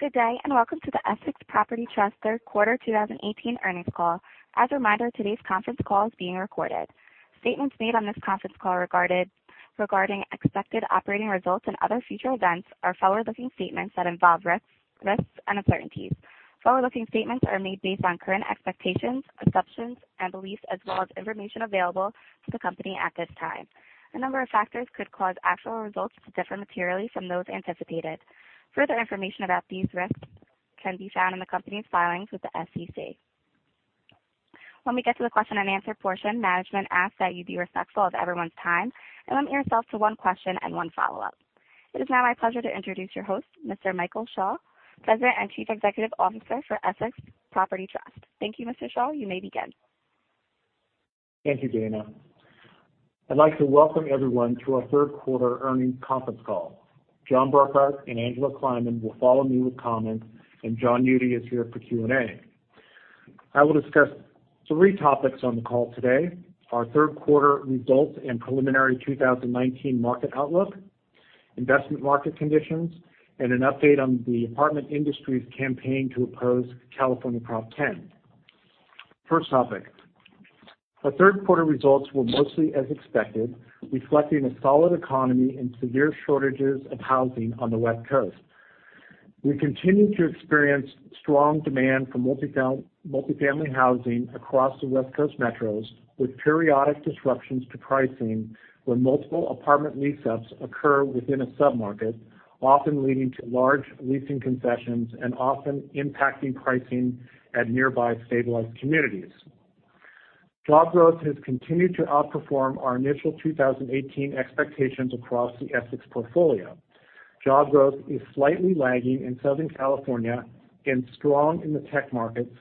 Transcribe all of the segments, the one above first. Good day, welcome to the Essex Property Trust third quarter 2018 earnings call. As a reminder, today's conference call is being recorded. Statements made on this conference call regarding expected operating results and other future events are forward-looking statements that involve risks and uncertainties. Forward-looking statements are made based on current expectations, assumptions, and beliefs, as well as information available to the company at this time. A number of factors could cause actual results to differ materially from those anticipated. Further information about these risks can be found in the company's filings with the SEC. When we get to the question and answer portion, management asks that you be respectful of everyone's time and limit yourself to one question and one follow-up. It is now my pleasure to introduce your host, Mr. Michael Schall, President and Chief Executive Officer for Essex Property Trust. Thank you, Mr. Schall. You may begin. Thank you, Dana. I'd like to welcome everyone to our third quarter earnings conference call. John Burkart and Angela Kleiman will follow me with comments, and John Eudy is here for Q&A. I will discuss three topics on the call today: our third quarter results and preliminary 2019 market outlook, investment market conditions, and an update on the apartment industry's campaign to oppose California Proposition 10. First topic. Our third quarter results were mostly as expected, reflecting a solid economy and severe shortages of housing on the West Coast. We continue to experience strong demand for multifamily housing across the West Coast metros, with periodic disruptions to pricing when multiple apartment lease-ups occur within a sub-market, often leading to large leasing concessions and often impacting pricing at nearby stabilized communities. Job growth has continued to outperform our initial 2018 expectations across the Essex portfolio. Job growth is slightly lagging in Southern California and strong in the tech markets,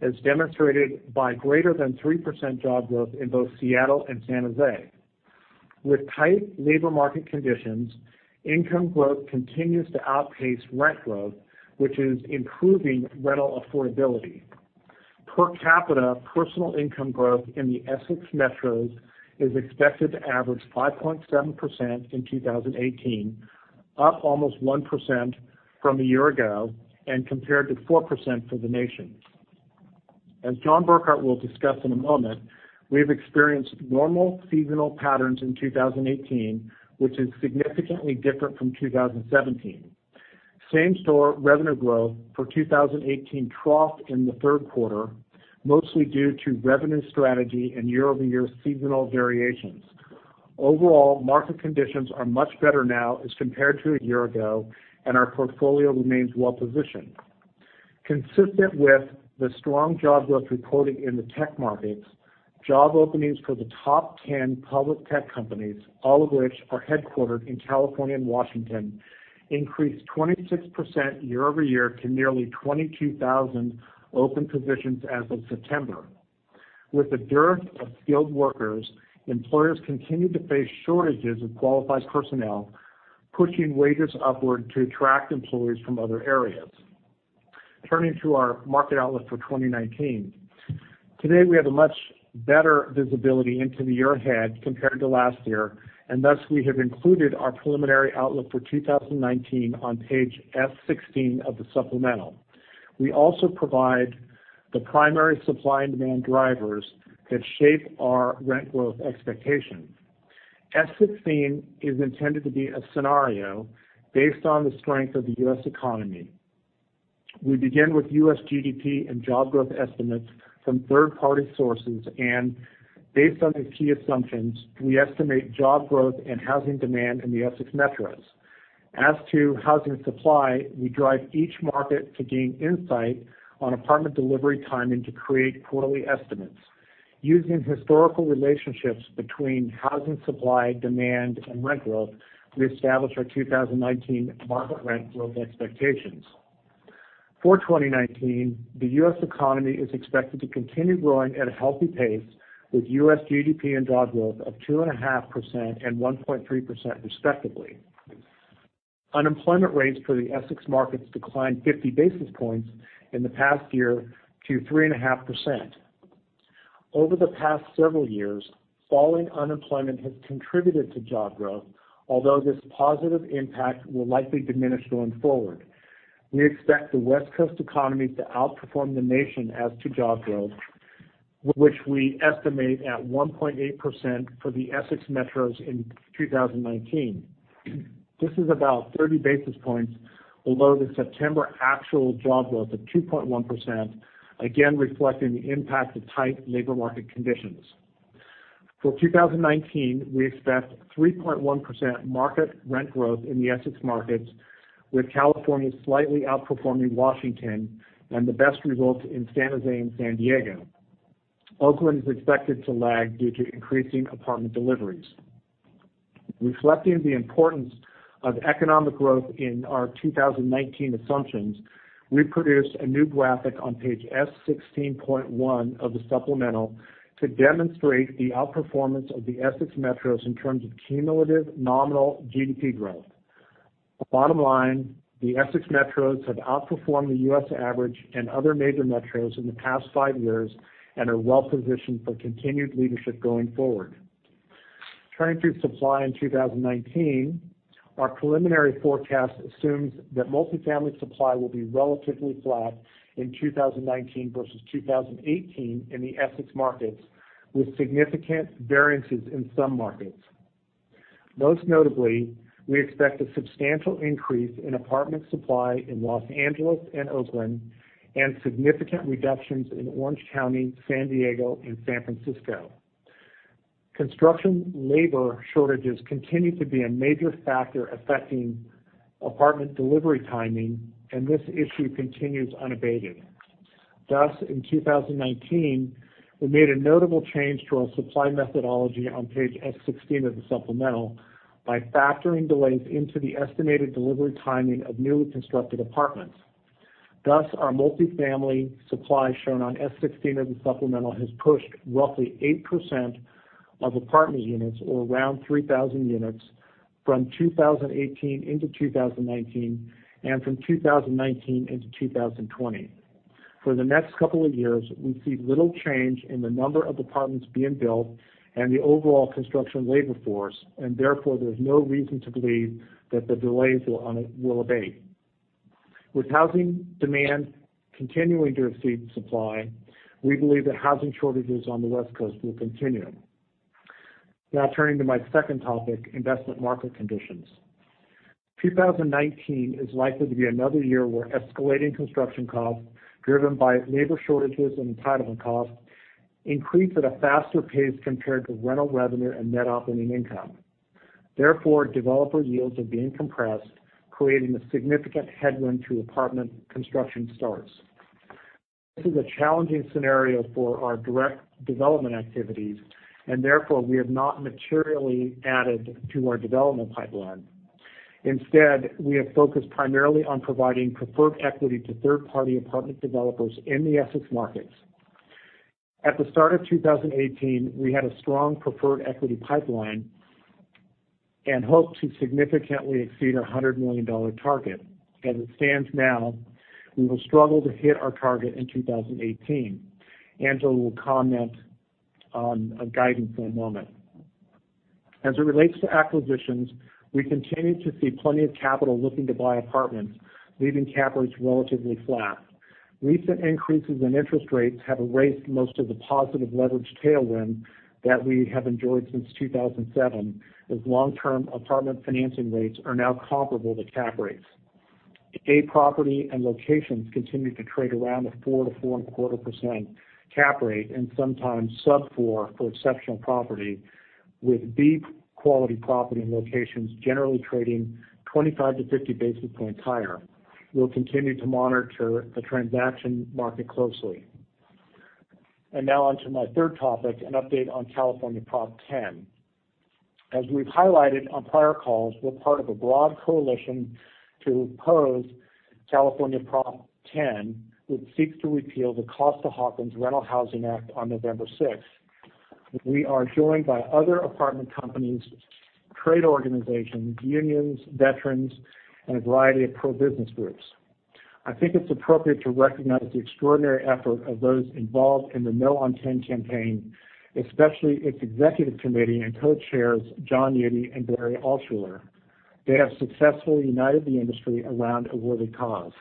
as demonstrated by greater than 3% job growth in both Seattle and San Jose. With tight labor market conditions, income growth continues to outpace rent growth, which is improving rental affordability. Per capita, personal income growth in the Essex metros is expected to average 5.7% in 2018, up almost 1% from a year ago and compared to 4% for the nation. As John Burkart will discuss in a moment, we have experienced normal seasonal patterns in 2018, which is significantly different from 2017. Same-store revenue growth for 2018 troughed in the third quarter, mostly due to revenue strategy and year-over-year seasonal variations. Overall, market conditions are much better now as compared to a year ago, and our portfolio remains well-positioned. Consistent with the strong job growth reported in the tech markets, job openings for the top 10 public tech companies, all of which are headquartered in California and Washington, increased 26% year-over-year to nearly 22,000 open positions as of September. With a dearth of skilled workers, employers continue to face shortages of qualified personnel, pushing wages upward to attract employees from other areas. Turning to our market outlook for 2019. Today, we have a much better visibility into the year ahead compared to last year. Thus, we have included our preliminary outlook for 2019 on page S-16 of the supplemental. We also provide the primary supply and demand drivers that shape our rent growth expectations. S-16 is intended to be a scenario based on the strength of the U.S. economy. We begin with U.S. GDP and job growth estimates from third-party sources. Based on these key assumptions, we estimate job growth and housing demand in the Essex metros. As to housing supply, we drive each market to gain insight on apartment delivery timing to create quarterly estimates. Using historical relationships between housing supply, demand, and rent growth, we establish our 2019 market rent growth expectations. For 2019, the U.S. economy is expected to continue growing at a healthy pace, with U.S. GDP and job growth of 2.5% and 1.3%, respectively. Unemployment rates for the Essex markets declined 50 basis points in the past year to 3.5%. Over the past several years, falling unemployment has contributed to job growth, although this positive impact will likely diminish going forward. We expect the West Coast economy to outperform the nation as to job growth, which we estimate at 1.8% for the Essex metros in 2019. This is about 30 basis points below the September actual job growth of 2.1%, again reflecting the impact of tight labor market conditions. For 2019, we expect 3.1% market rent growth in the Essex markets, with California slightly outperforming Washington and the best results in San Jose and San Diego. Oakland is expected to lag due to increasing apartment deliveries. Reflecting the importance of economic growth in our 2019 assumptions, we produced a new graphic on page S-16.1 of the supplemental to demonstrate the outperformance of the Essex metros in terms of cumulative nominal GDP growth. Bottom line, the Essex metros have outperformed the U.S. average and other major metros in the past five years and are well positioned for continued leadership going forward. Turning to supply in 2019, our preliminary forecast assumes that multifamily supply will be relatively flat in 2019 versus 2018 in the Essex markets, with significant variances in some markets. Most notably, we expect a substantial increase in apartment supply in Los Angeles and Oakland, and significant reductions in Orange County, San Diego, and San Francisco. Construction labor shortages continue to be a major factor affecting apartment delivery timing. This issue continues unabated. Thus, in 2019, we made a notable change to our supply methodology on page S-16 of the supplemental by factoring delays into the estimated delivery timing of newly constructed apartments. Thus, our multifamily supply shown on S-16 of the supplemental has pushed roughly 8% of apartment units, or around 3,000 units, from 2018 into 2019, and from 2019 into 2020. For the next couple of years, we see little change in the number of apartments being built and the overall construction labor force. Therefore, there's no reason to believe that the delays will abate. With housing demand continuing to exceed supply, we believe that housing shortages on the West Coast will continue. Now turning to my second topic, investment market conditions. 2019 is likely to be another year where escalating construction costs, driven by labor shortages and entitlement costs, increase at a faster pace compared to rental revenue and net operating income. Therefore, developer yields are being compressed, creating a significant headwind to apartment construction starts. This is a challenging scenario for our direct development activities, therefore, we have not materially added to our development pipeline. Instead, we have focused primarily on providing preferred equity to third-party apartment developers in the Essex markets. At the start of 2018, we had a strong preferred equity pipeline and hoped to significantly exceed our $100 million target. As it stands now, we will struggle to hit our target in 2018. Angela will comment on guidance in a moment. As it relates to acquisitions, we continue to see plenty of capital looking to buy apartments, leaving cap rates relatively flat. Recent increases in interest rates have erased most of the positive leverage tailwind that we have enjoyed since 2007, as long-term apartment financing rates are now comparable to cap rates. A property and locations continue to trade around the 4%-4.25% cap rate, and sometimes sub-4 for exceptional property, with B quality property locations generally trading 25 to 50 basis points higher. We'll continue to monitor the transaction market closely. Now on to my third topic, an update on California Prop 10. As we've highlighted on prior calls, we're part of a broad coalition to oppose California Prop 10, which seeks to repeal the Costa-Hawkins Rental Housing Act on November 6th. We are joined by other apartment companies, trade organizations, unions, veterans, and a variety of pro-business groups. I think it's appropriate to recognize the extraordinary effort of those involved in the No on 10 campaign, especially its executive committee and co-chairs, John Eudy and Barry Altschuler. They have successfully united the industry around a worthy cause.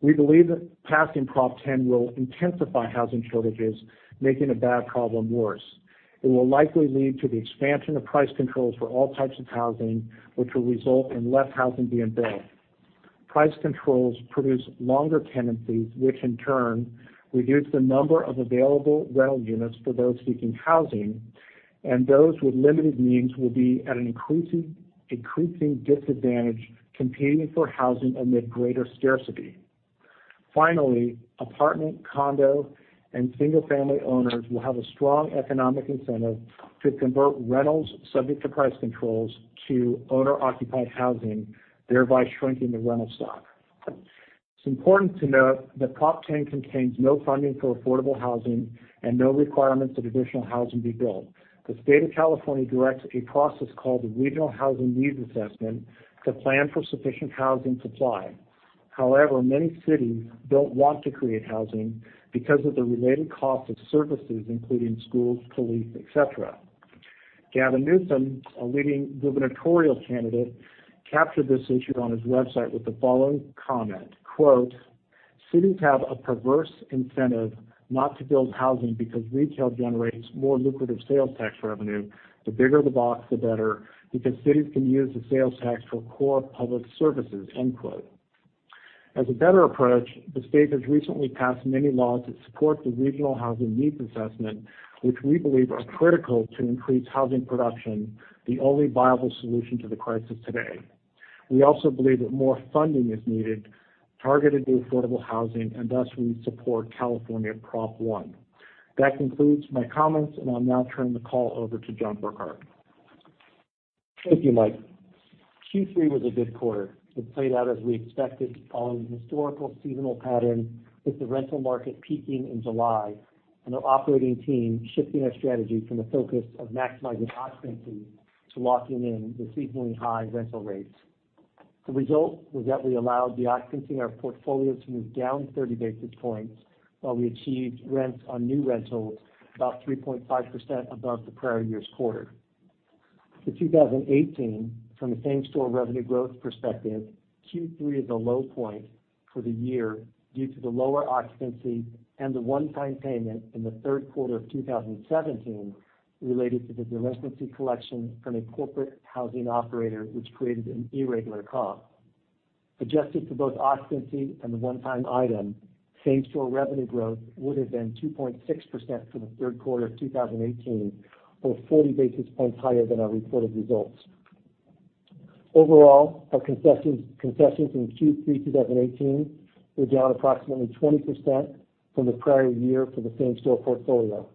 We believe that passing Prop 10 will intensify housing shortages, making a bad problem worse. It will likely lead to the expansion of price controls for all types of housing, which will result in less housing being built. Price controls produce longer tenancies, which in turn reduce the number of available rental units for those seeking housing, and those with limited means will be at an increasing disadvantage competing for housing amid greater scarcity. Finally, apartment, condo, and single-family owners will have a strong economic incentive to convert rentals subject to price controls to owner-occupied housing, thereby shrinking the rental stock. It's important to note that Prop 10 contains no funding for affordable housing and no requirements that additional housing be built. The State of California directs a process called the Regional Housing Needs Assessment to plan for sufficient housing supply. However, many cities don't want to create housing because of the related cost of services, including schools, police, et cetera. Gavin Newsom, a leading gubernatorial candidate, captured this issue on his website with the following comment, quote, "Cities have a perverse incentive not to build housing because retail generates more lucrative sales tax revenue. The bigger the box, the better because cities can use the sales tax for core public services." End quote. As a better approach, the state has recently passed many laws that support the Regional Housing Needs Assessment, which we believe are critical to increase housing production, the only viable solution to the crisis today. We also believe that more funding is needed, targeted to affordable housing, and thus we support California Proposition 1. That concludes my comments, and I'll now turn the call over to John Burkart. Thank you, Mike. Q3 was a good quarter. It played out as we expected, following the historical seasonal pattern with the rental market peaking in July and our operating team shifting our strategy from a focus of maximizing occupancy to locking in the seasonally high rental rates. The result was that we allowed the occupancy in our portfolios to move down 30 basis points while we achieved rents on new rentals about 3.5% above the prior year's quarter. For 2018, from a same-store revenue growth perspective, Q3 is a low point for the year due to the lower occupancy and the one-time payment in the third quarter of 2017 related to the delinquency collection from a corporate housing operator, which created an irregular comp. Adjusted for both occupancy and the one-time item, same-store revenue growth would have been 2.6% for the third quarter of 2018 or 40 basis points higher than our reported results. Overall, our concessions in Q3 2018 were down approximately 20% from the prior year for the same-store portfolio.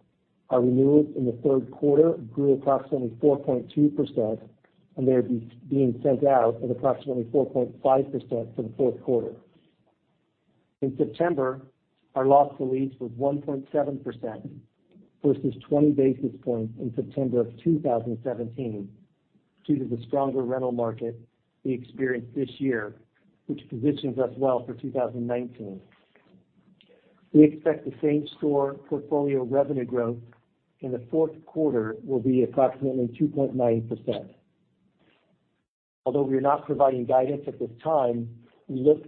Our renewals in the third quarter grew approximately 4.2%, and they are being sent out at approximately 4.5% for the fourth quarter. In September, our loss to lease was 1.7% versus 20 basis points in September of 2017 due to the stronger rental market we experienced this year, which positions us well for 2019. We expect the same-store portfolio revenue growth in the fourth quarter will be approximately 2.9%. Although we are not providing guidance at this time, as we look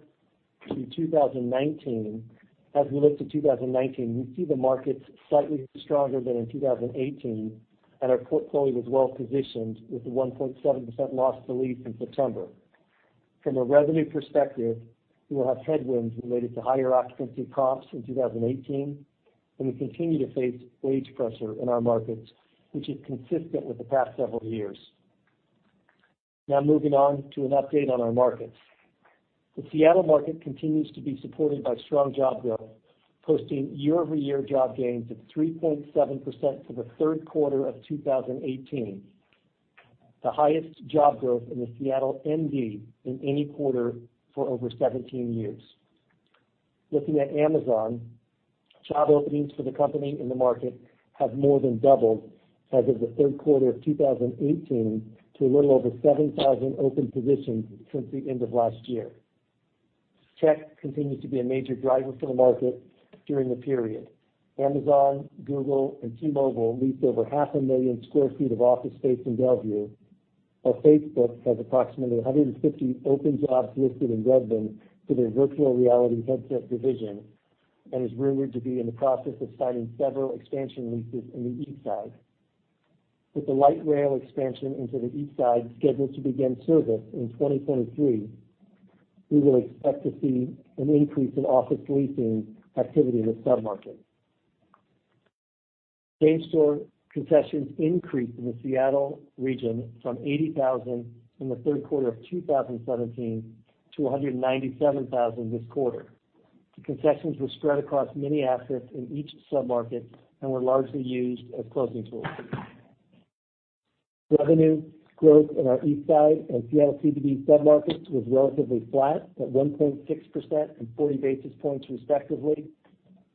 to 2019, we see the markets slightly stronger than in 2018, and our portfolio is well-positioned with the 1.7% loss to lease in September. From a revenue perspective, we will have headwinds related to higher occupancy comps in 2018, and we continue to face wage pressure in our markets, which is consistent with the past several years. Now moving on to an update on our markets. The Seattle market continues to be supported by strong job growth, posting year-over-year job gains of 3.7% for the third quarter of 2018. The highest job growth in the Seattle MD in any quarter for over 17 years. Looking at Amazon, job openings for the company in the market have more than doubled as of the third quarter of 2018 to a little over 7,000 open positions since the end of last year. Tech continues to be a major driver for the market during the period. Amazon, Google, and T-Mobile leased over half a million sq ft of office space in Bellevue, while Facebook has approximately 150 open jobs listed in Redmond for their virtual reality headset division and is rumored to be in the process of signing several expansion leases in the Eastside. With the light rail expansion into the Eastside scheduled to begin service in 2023, we will expect to see an increase in office leasing activity in the sub-market. Same-store concessions increased in the Seattle region from $80,000 in the third quarter of 2017 to $197,000 this quarter. The concessions were spread across many assets in each sub-market and were largely used as closing tools. Revenue growth in our Eastside and Seattle CBD submarkets was relatively flat at 1.6% and 40 basis points respectively,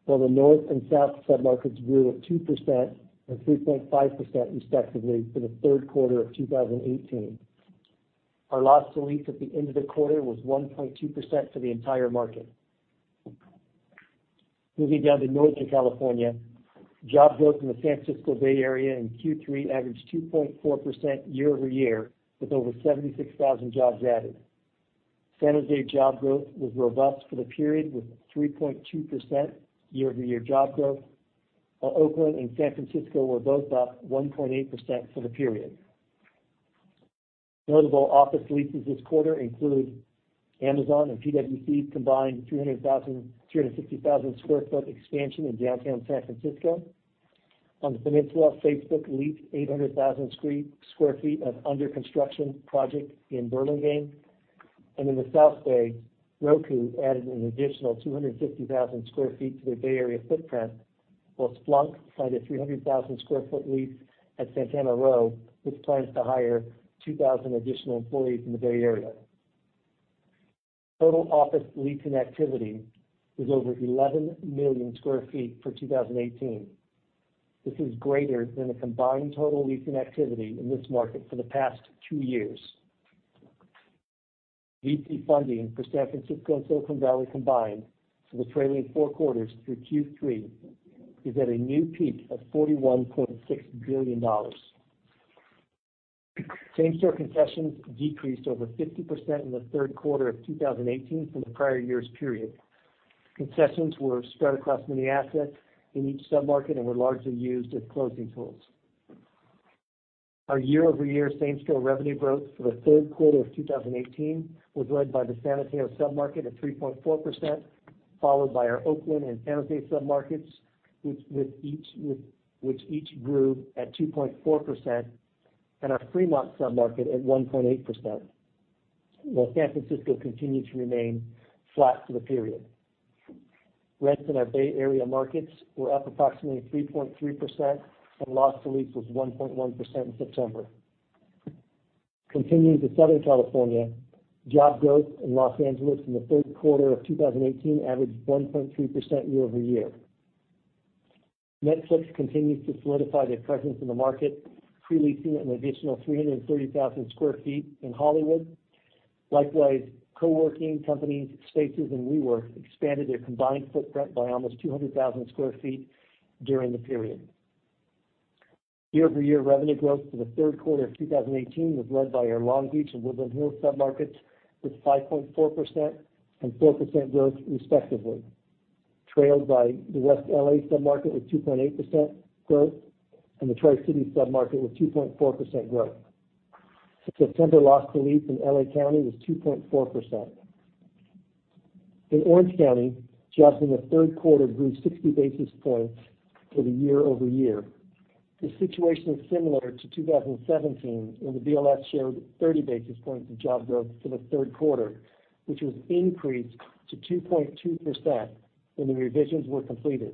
while the North and South submarkets grew at 2% and 3.5% respectively for the third quarter of 2018. Our loss to lease at the end of the quarter was 1.2% for the entire market. Moving down to Northern California, job growth in the San Francisco Bay Area in Q3 averaged 2.4% year-over-year, with over 76,000 jobs added. San Jose job growth was robust for the period, with 3.2% year-over-year job growth, while Oakland and San Francisco were both up 1.8% for the period. Notable office leases this quarter include Amazon and PwC's combined 360,000 sq ft expansion in downtown San Francisco. On the Peninsula, Facebook leased 800,000 sq ft of under-construction project in Burlingame. In the South Bay, Roku added an additional 250,000 sq ft to their Bay Area footprint, while Splunk signed a 300,000 sq ft lease at Santana Row, with plans to hire 2,000 additional employees in the Bay Area. Total office leasing activity was over 11 million sq ft for 2018. This is greater than the combined total leasing activity in this market for the past two years. VC funding for San Francisco and Silicon Valley combined for the trailing four quarters through Q3 is at a new peak of $41.6 billion. Same-store concessions decreased over 50% in the third quarter of 2018 from the prior year's period. Concessions were spread across many assets in each sub-market and were largely used as closing tools. Our year-over-year same-store revenue growth for the third quarter of 2018 was led by the San Mateo sub-market of 3.4%, followed by our Oakland and San Jose submarkets, which each grew at 2.4%, and our Fremont sub-market at 1.8%, while San Francisco continued to remain flat for the period. Rents in our Bay Area markets were up approximately 3.3%, and loss to lease was 1.1% in September. Continuing to Southern California, job growth in Los Angeles in the third quarter of 2018 averaged 1.3% year-over-year. Netflix continues to solidify their presence in the market, pre-leasing an additional 330,000 sq ft in Hollywood. Likewise, co-working companies Spaces and WeWork expanded their combined footprint by almost 200,000 sq ft during the period. Year-over-year revenue growth for the third quarter of 2018 was led by our Long Beach and Woodland Hills sub-markets, with 5.4% and 4% growth respectively, trailed by the West L.A. sub-market with 2.8% growth and the Tri-City sub-market with 2.4% growth. September loss to lease in L.A. County was 2.4%. In Orange County, jobs in the third quarter grew 60 basis points with a year-over-year. The situation is similar to 2017, when the BLS showed 30 basis points of job growth for the third quarter, which was increased to 2.2% when the revisions were completed.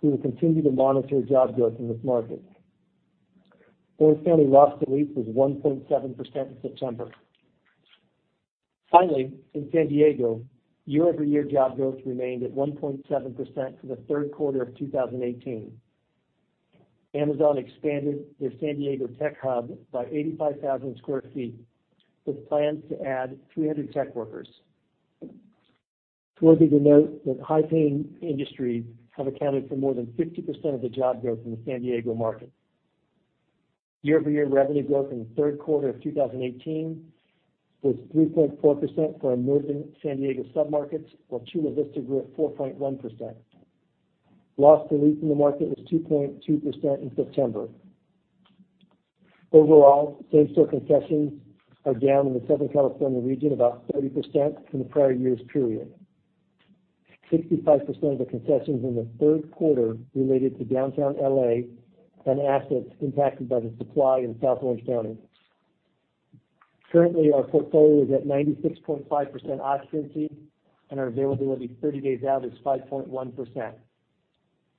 We will continue to monitor job growth in this market. Orange County loss to lease was 1.7% in September. Finally, in San Diego, year-over-year job growth remained at 1.7% for the third quarter of 2018. Amazon expanded their San Diego tech hub by 85,000 sq ft, with plans to add 300 tech workers. It's worthy to note that high-paying industries have accounted for more than 50% of the job growth in the San Diego market. Year-over-year revenue growth in the third quarter of 2018 was 3.4% for our northern San Diego submarkets, while Chula Vista grew at 4.1%. Loss to lease in the market was 2.2% in September. Overall, same-store concessions are down in the Southern California region about 30% from the prior year's period. 65% of the concessions in the third quarter related to downtown L.A. and assets impacted by the supply in South Orange County. Currently, our portfolio is at 96.5% occupancy, and our availability 30 days out is 5.1%.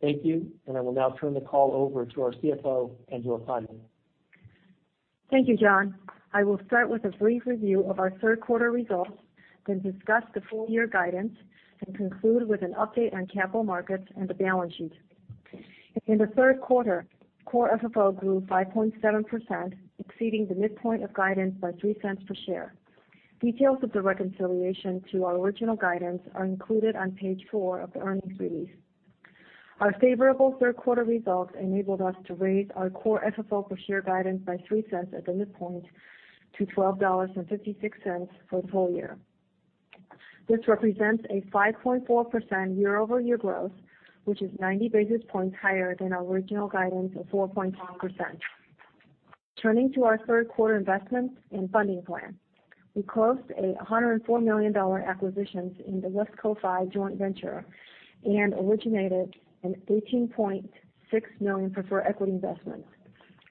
Thank you, and I will now turn the call over to our CFO, Angela Kleiman. Thank you, John. I will start with a brief review of our third-quarter results, then discuss the full-year guidance, and conclude with an update on capital markets and the balance sheet. In the third quarter, core FFO grew 5.7%, exceeding the midpoint of guidance by $0.03 per share. Details of the reconciliation to our original guidance are included on page four of the earnings release. Our favorable third-quarter results enabled us to raise our core FFO per share guidance by $0.03 at the midpoint to $12.56 for the full year. This represents a 5.4% year-over-year growth, which is 90 basis points higher than our original guidance of 4.2%. Turning to our third-quarter investments and funding plan. We closed $104 million acquisitions in the Wesco joint venture and originated an $18.6 million preferred equity investment,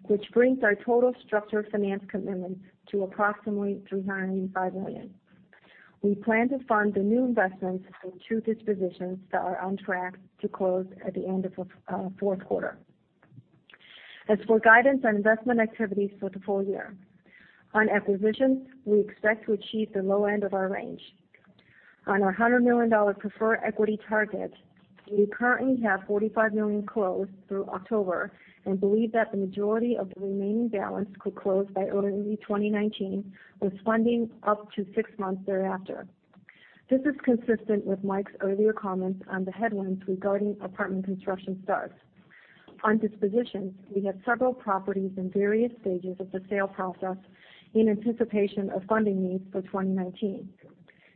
which brings our total structured finance commitment to approximately $305 million. We plan to fund the new investments with two dispositions that are on track to close at the end of fourth quarter. As for guidance on investment activities for the full year. On acquisitions, we expect to achieve the low end of our range. On our $100 million preferred equity target, we currently have $45 million closed through October and believe that the majority of the remaining balance could close by early 2019, with funding up to six months thereafter. This is consistent with Mike's earlier comments on the headwinds regarding apartment construction starts. On dispositions, we have several properties in various stages of the sale process in anticipation of funding needs for 2019.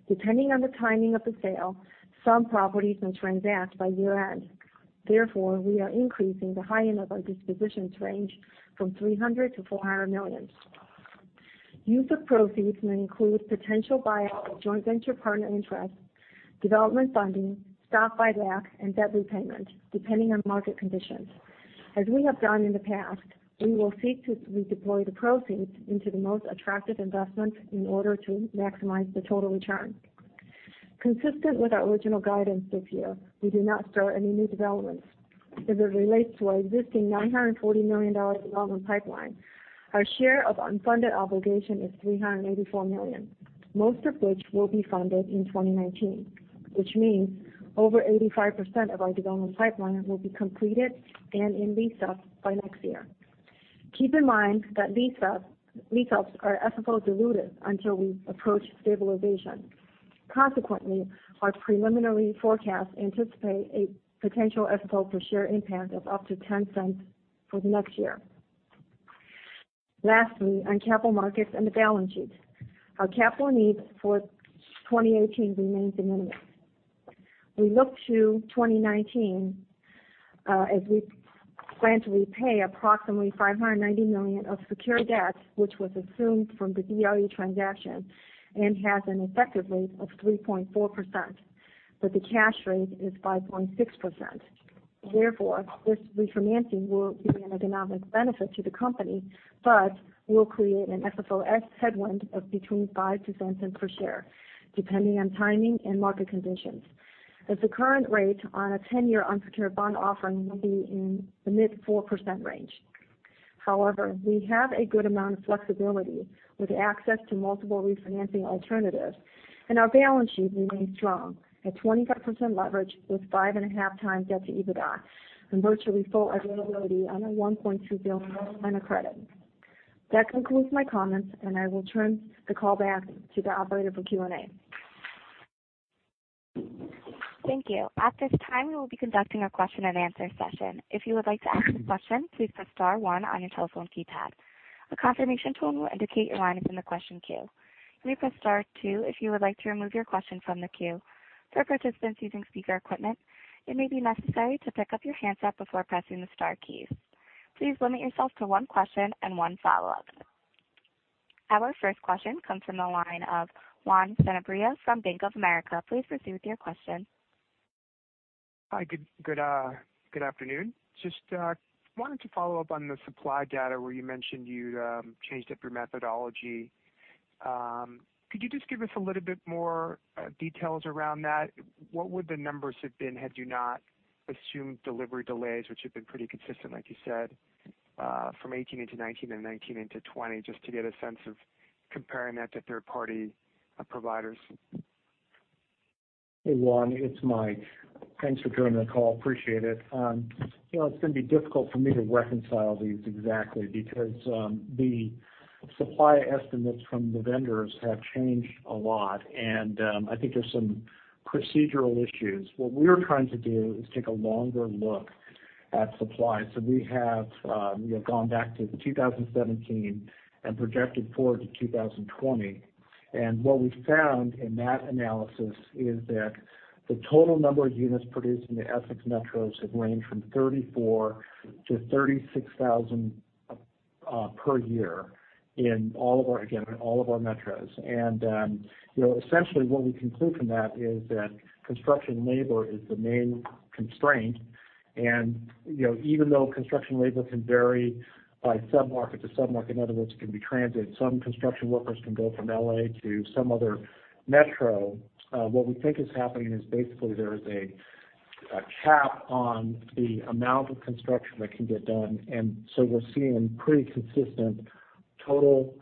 Depending on the timing of the sale, some properties may transact by year-end. Therefore, we are increasing the high end of our dispositions range from $300 million to $400 million. Use of proceeds may include potential buyout of joint venture partner interest, development funding, stock buyback, and debt repayment, depending on market conditions. As we have done in the past, we will seek to redeploy the proceeds into the most attractive investments in order to maximize the total return. Consistent with our original guidance this year, we did not start any new developments. As it relates to our existing $940 million development pipeline, our share of unfunded obligation is $384 million, most of which will be funded in 2019, which means over 85% of our development pipeline will be completed and in lease-up by next year. Keep in mind that lease-ups are FFO dilutive until we approach stabilization. Consequently, our preliminary forecasts anticipate a potential FFO per share impact of up to $0.10 for the next year. Lastly, on capital markets and the balance sheet. Our capital needs for 2018 remain de minimis. We look to 2019, as we plan to repay approximately $590 million of secured debt, which was assumed from the BRE transaction and has an effective rate of 3.4%, but the cash rate is 5.6%. Therefore, this refinancing will be an economic benefit to the company, but will create an FFO headwind of between $0.05-$0.10 per share, depending on timing and market conditions, as the current rate on a 10-year unsecured bond offering will be in the mid 4% range. However, we have a good amount of flexibility with access to multiple refinancing alternatives, and our balance sheet remains strong at 25% leverage with 5.5 times debt to EBITDA and virtually full availability on a $1.2 billion line of credit. That concludes my comments, and I will turn the call back to the operator for Q&A. Thank you. At this time, we will be conducting a question and answer session. If you would like to ask a question, please press star 1 on your telephone keypad. A confirmation tone will indicate your line is in the question queue. You may press star 2 if you would like to remove your question from the queue. For participants using speaker equipment, it may be necessary to pick up your handset before pressing the star keys. Please limit yourself to 1 question and 1 follow-up. Our first question comes from the line of Juan Sanabria from Bank of America. Please proceed with your question. Hi, good afternoon. Just wanted to follow up on the supply data where you mentioned you changed up your methodology. Could you just give us a little bit more details around that? What would the numbers have been had you not assumed delivery delays, which have been pretty consistent, like you said, from 2018 into 2019 and 2019 into 2020, just to get a sense of comparing that to third-party providers? Hey, Juan, it's Mike. Thanks for joining the call. Appreciate it. It's going to be difficult for me to reconcile these exactly because the supply estimates from the vendors have changed a lot. I think there's some procedural issues. What we're trying to do is take a longer look at supply. We have gone back to 2017 and projected forward to 2020. What we found in that analysis is that the total number of units produced in the Essex metros have ranged from 34,000-36,000 per year in all of our metros. Essentially, what we conclude from that is that construction labor is the main constraint. Even though construction labor can vary by sub-market to sub-market, in other words, it can be transit. Some construction workers can go from L.A. to some other metro. What we think is happening is basically there is a cap on the amount of construction that can get done. We're seeing pretty consistent total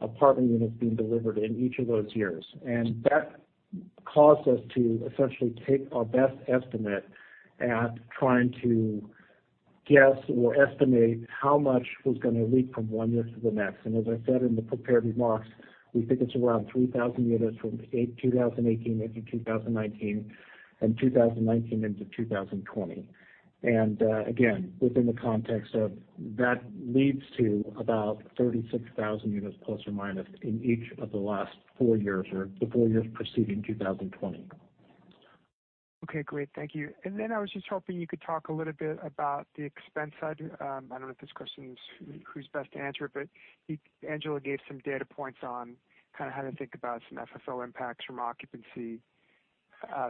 apartment units being delivered in each of those years. That caused us to essentially take our best estimate at trying to guess or estimate how much was going to leak from one year to the next. As I said in the prepared remarks, we think it's around 3,000 units from 2018 into 2019, and 2019 into 2020. Again, within the context of that leads to about 36,000 units, plus or minus, in each of the last four years or the four years preceding 2020. Okay, great. Thank you. Then I was just hoping you could talk a little bit about the expense side. I don't know if this question is who's best to answer it. Angela gave some data points on kind of how to think about some FFO impacts from occupancy.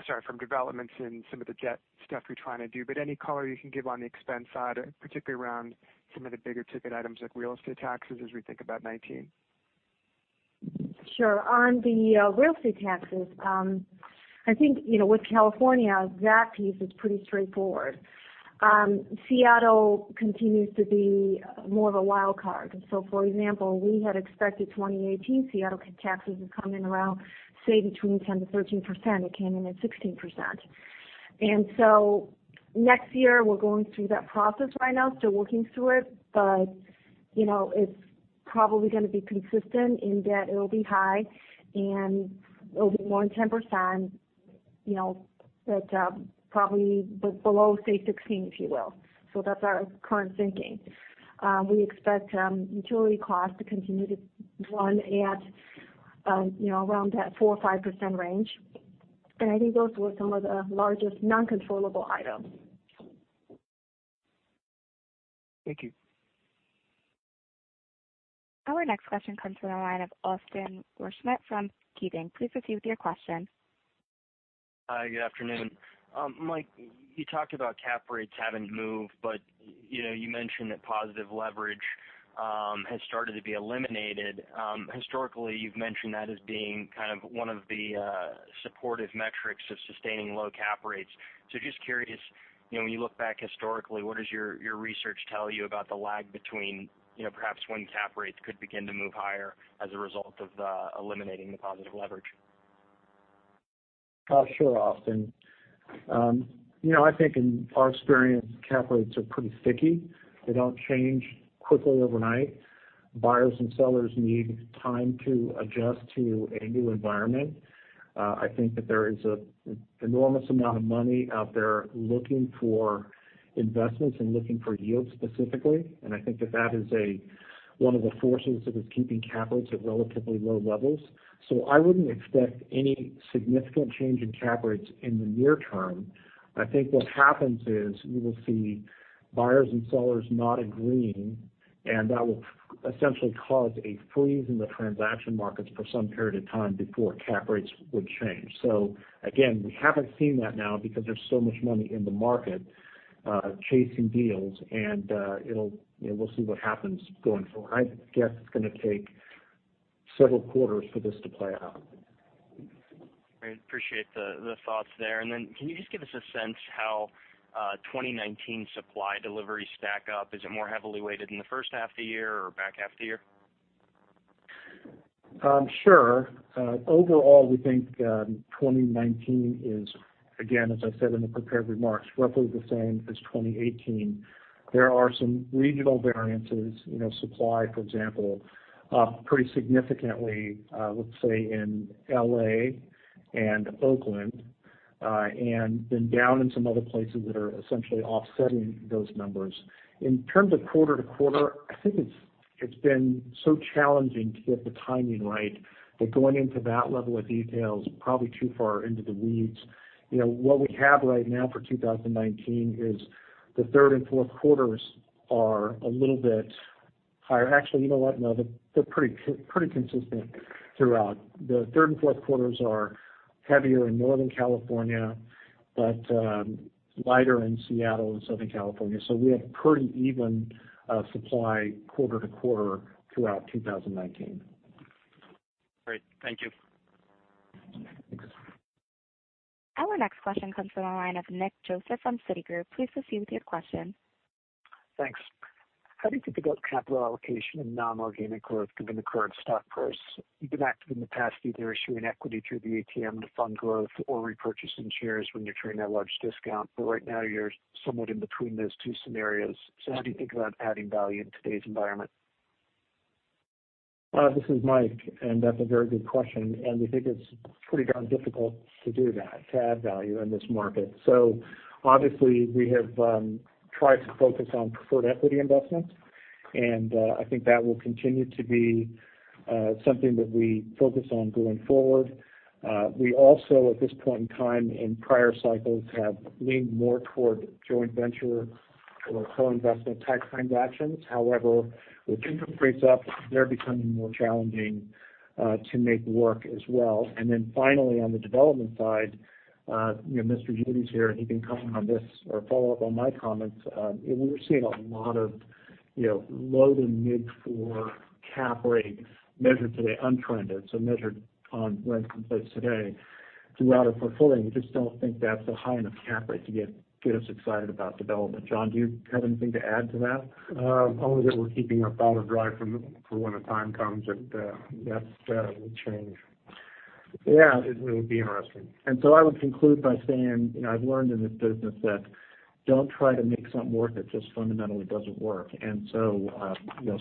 Sorry, from developments in some of the debt stuff you're trying to do. Any color you can give on the expense side, particularly around some of the bigger ticket items like real estate taxes as we think about 2019. Sure. On the real estate taxes, I think, with California, that piece is pretty straightforward. Seattle continues to be more of a wild card. For example, we had expected 2018 Seattle taxes to come in around, say, between 10%-13%. It came in at 16%. Next year, we're going through that process right now, still working through it, but it's probably going to be consistent in that it'll be high and it'll be more than 10%, but probably below, say, 16%, if you will. That's our current thinking. We expect utility costs to continue to run at around that 4% or 5% range. I think those were some of the largest non-controllable items. Thank you. Our next question comes from the line of Austin Wurschmidt from KeyBanc. Please proceed with your question. Hi, good afternoon. Mike, you talked about cap rates having moved, but you mentioned that positive leverage has started to be eliminated. Historically, you've mentioned that as being kind of one of the supportive metrics of sustaining low cap rates. Just curious, when you look back historically, what does your research tell you about the lag between perhaps when cap rates could begin to move higher as a result of eliminating the positive leverage? Sure, Austin. I think in our experience, cap rates are pretty sticky. They don't change quickly overnight. Buyers and sellers need time to adjust to a new environment. I think that there is an enormous amount of money out there looking for investments and looking for yield specifically, and I think that that is one of the forces that is keeping cap rates at relatively low levels. I wouldn't expect any significant change in cap rates in the near term. I think what happens is you will see buyers and sellers not agreeing, and that will essentially cause a freeze in the transaction markets for some period of time before cap rates would change. Again, we haven't seen that now because there's so much money in the market chasing deals, and we'll see what happens going forward. I guess it's going to take several quarters for this to play out. Great. Appreciate the thoughts there. Can you just give us a sense how 2019 supply deliveries stack up? Is it more heavily weighted in the first half of the year or back half of the year? Sure. Overall, we think 2019 is, again, as I said in the prepared remarks, roughly the same as 2018. There are some regional variances. Supply, for example, up pretty significantly, let's say, in L.A. and Oakland, down in some other places that are essentially offsetting those numbers. In terms of quarter-to-quarter, I think it's been so challenging to get the timing right, that going into that level of detail is probably too far into the weeds. What we have right now for 2019 is the third and fourth quarters are a little bit higher. Actually, you know what? They're pretty consistent throughout. The third and fourth quarters are heavier in Northern California, but lighter in Seattle and Southern California. We have pretty even supply quarter-to-quarter throughout 2019. Great. Thank you. Thanks. Our next question comes from the line of Nicholas Joseph from Citigroup. Please proceed with your question. Thanks. How do you think about capital allocation and non-organic growth given the current stock price? You've been active in the past, either issuing equity through the ATM to fund growth or repurchasing shares when you're trading at a large discount. Right now you're somewhat in between those two scenarios. How do you think about adding value in today's environment? This is Mike, that's a very good question. We think it's pretty darn difficult to do that, to add value in this market. Obviously we have tried to focus on preferred equity investments, I think that will continue to be something that we focus on going forward. We also, at this point in time in prior cycles, have leaned more toward joint venture or co-investment type transactions. However, with interest rates up, they're becoming more challenging to make work as well. Then finally, on the development side, Mr. Eudy's here and he can comment on this or follow up on my comments. We're seeing a lot of low to mid-four cap rates measured today, untrended, measured on rent in place today throughout our portfolio. We just don't think that's a high enough cap rate to get us excited about development. John, do you have anything to add to that? Only that we're keeping our powder dry for when the time comes, that will change. Yeah. It will be interesting. I would conclude by saying, I've learned in this business that don't try to make something work that just fundamentally doesn't work.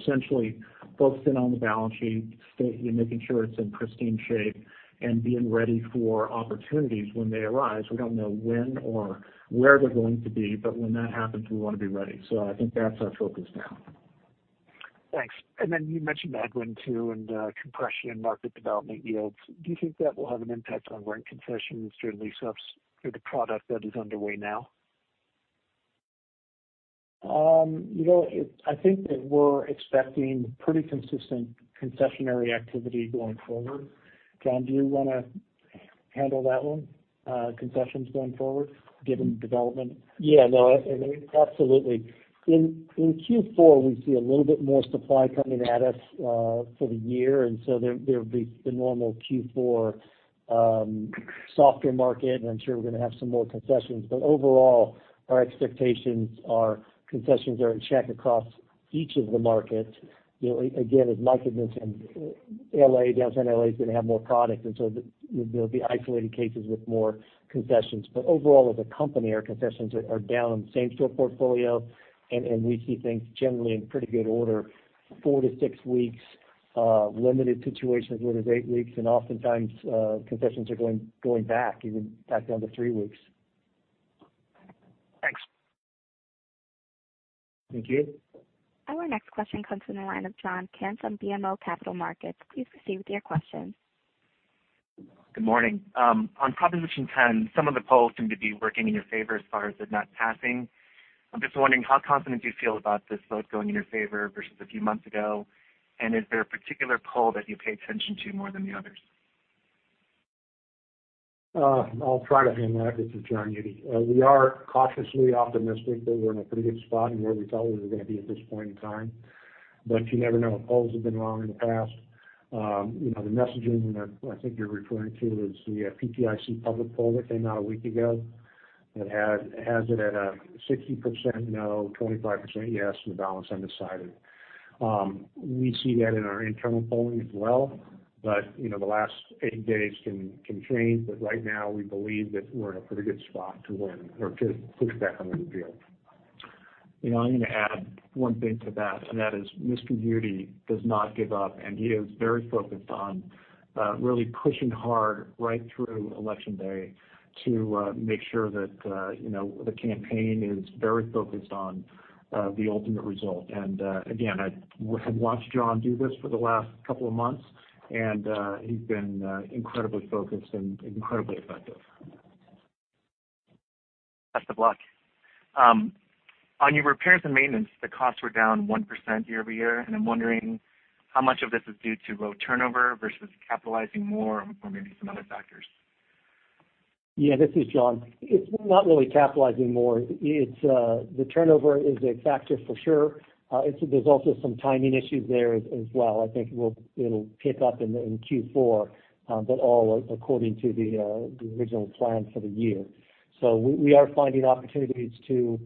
Essentially focusing on the balance sheet, making sure it's in pristine shape and being ready for opportunities when they arise. We don't know when or where they're going to be, but when that happens, we want to be ready. I think that's our focus now. Thanks. You mentioned headwind too, compression and market development yields. Do you think that will have an impact on rent concessions during lease ups through the product that is underway now? I think that we're expecting pretty consistent concessionary activity going forward. John, do you want to handle that one, concessions going forward given development? Yeah, no, absolutely. In Q4, we see a little bit more supply coming at us for the year. There'll be the normal Q4 softer market, and I'm sure we're going to have some more concessions. Overall, our expectations are concessions are in check across each of the markets. Again, as Mike had mentioned, L.A., Downtown L.A. is going to have more product. There'll be isolated cases with more concessions. Overall, as a company, our concessions are down same-store portfolio, and we see things generally in pretty good order, 4-6 weeks, limited situations where there's eight weeks, and oftentimes concessions are going back, even back down to three weeks. Thanks. Thank you. Our next question comes from the line of John Kim, BMO Capital Markets. Please proceed with your question. Good morning. On Proposition 10, some of the polls seem to be working in your favor as far as it not passing. I'm just wondering, how confident do you feel about this vote going in your favor versus a few months ago? Is there a particular poll that you pay attention to more than the others? I'll try to handle that. This is John Eudy. We are cautiously optimistic that we're in a pretty good spot in where we thought we were going to be at this point in time. You never know. Polls have been wrong in the past. The messaging that I think you're referring to is the PPIC public poll that came out a week ago that has it at a 60% no, 25% yes, and the balance undecided. We see that in our internal polling as well. The last eight days can change. Right now we believe that we're in a pretty good spot to win or to push back on the repeal. I'm going to add one thing to that, and that is Mr. Eudy does not give up, and he is very focused on really pushing hard right through election day to make sure that the campaign is very focused on the ultimate result. Again, I have watched John do this for the last couple of months, and he's been incredibly focused and incredibly effective. Best of luck. On your repairs and maintenance, the costs were down 1% year-over-year, and I'm wondering how much of this is due to low turnover versus capitalizing more or maybe some other factors. Yeah, this is John. It is not really capitalizing more. The turnover is a factor for sure. There is also some timing issues there as well. I think it will pick up in Q4, but all according to the original plan for the year. We are finding opportunities to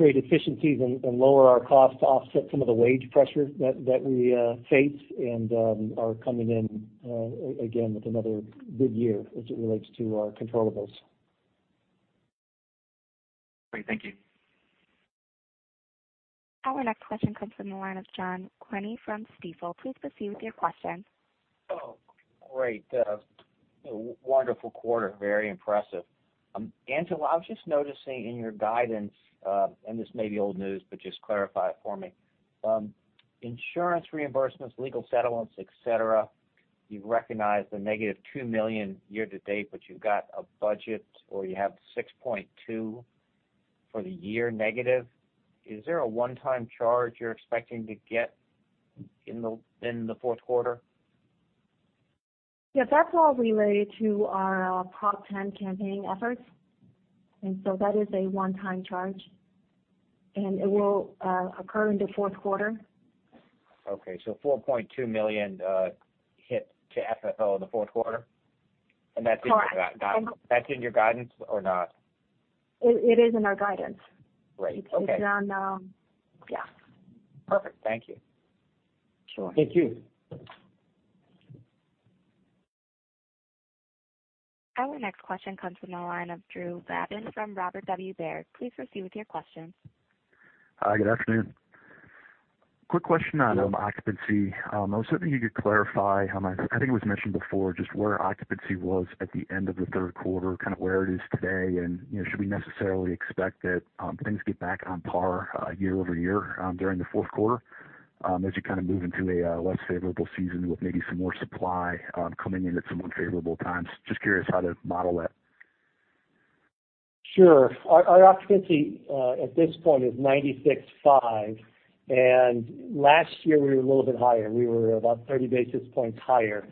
create efficiencies and lower our costs to offset some of the wage pressure that we face and are coming in again with another good year as it relates to our controllables. Great. Thank you. Our next question comes from the line of John Guinee from Stifel. Please proceed with your question. Great. Wonderful quarter. Very impressive. Angela, I was just noticing in your guidance, and this may be old news, but just clarify it for me. Insurance reimbursements, legal settlements, et cetera, you have recognized a negative $2 million year to date, but you have got a budget, or you have $6.2 for the year negative. Is there a one-time charge you are expecting to get in the fourth quarter? that's all related to our Prop 10 campaigning efforts. That is a one-time charge, and it will occur in the fourth quarter. Okay, $4.2 million hit to FFO in the fourth quarter? Correct. That's in your guidance or not? It is in our guidance. Great. Okay. It is on. Yeah. Perfect. Thank you. Sure. Thank you. Our next question comes from the line of Drew Babin from Robert W. Baird & Co. Please proceed with your question. Hi, good afternoon. Quick question on occupancy. I was hoping you could clarify, I think it was mentioned before, just where occupancy was at the end of the third quarter, where it is today, and should we necessarily expect that things get back on par year-over-year during the fourth quarter, as you move into a less favorable season with maybe some more supply coming in at some unfavorable times? Just curious how to model that. Sure. Our occupancy at this point is 96.5, last year we were a little bit higher. We were about 30 basis points higher,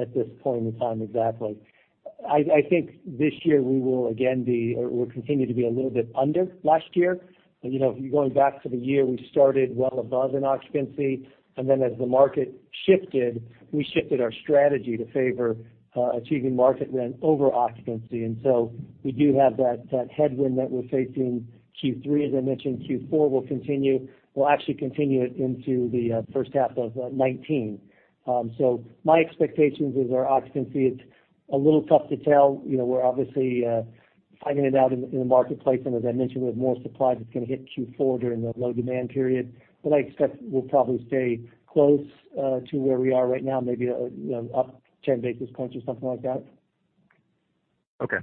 at this point in time exactly. I think this year we will continue to be a little bit under last year. If you're going back to the year we started, well above in occupancy, then as the market shifted, we shifted our strategy to favor achieving market rent over occupancy. We do have that headwind that we're facing Q3. As I mentioned, Q4 will actually continue into the first half of 2019. My expectations is our occupancy, it's a little tough to tell. We're obviously fighting it out in the marketplace, as I mentioned, we have more supply that's going to hit Q4 during the low-demand period. I expect we'll probably stay close to where we are right now, maybe up 10 basis points or something like that. Okay,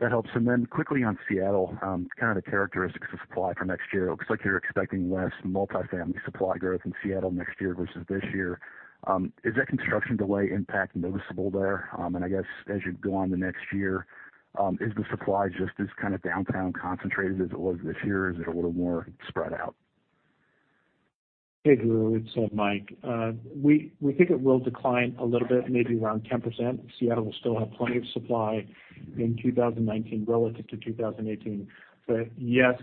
that helps. Quickly on Seattle, kind of the characteristics of supply for next year. It looks like you're expecting less multifamily supply growth in Seattle next year versus this year. Is that construction delay impact noticeable there? As you go on to next year, is the supply just as kind of downtown concentrated as it was this year, or is it a little more spread out? Hey, Drew. It's Mike. We think it will decline a little bit, maybe around 10%. Seattle will still have plenty of supply in 2019 relative to 2018. To your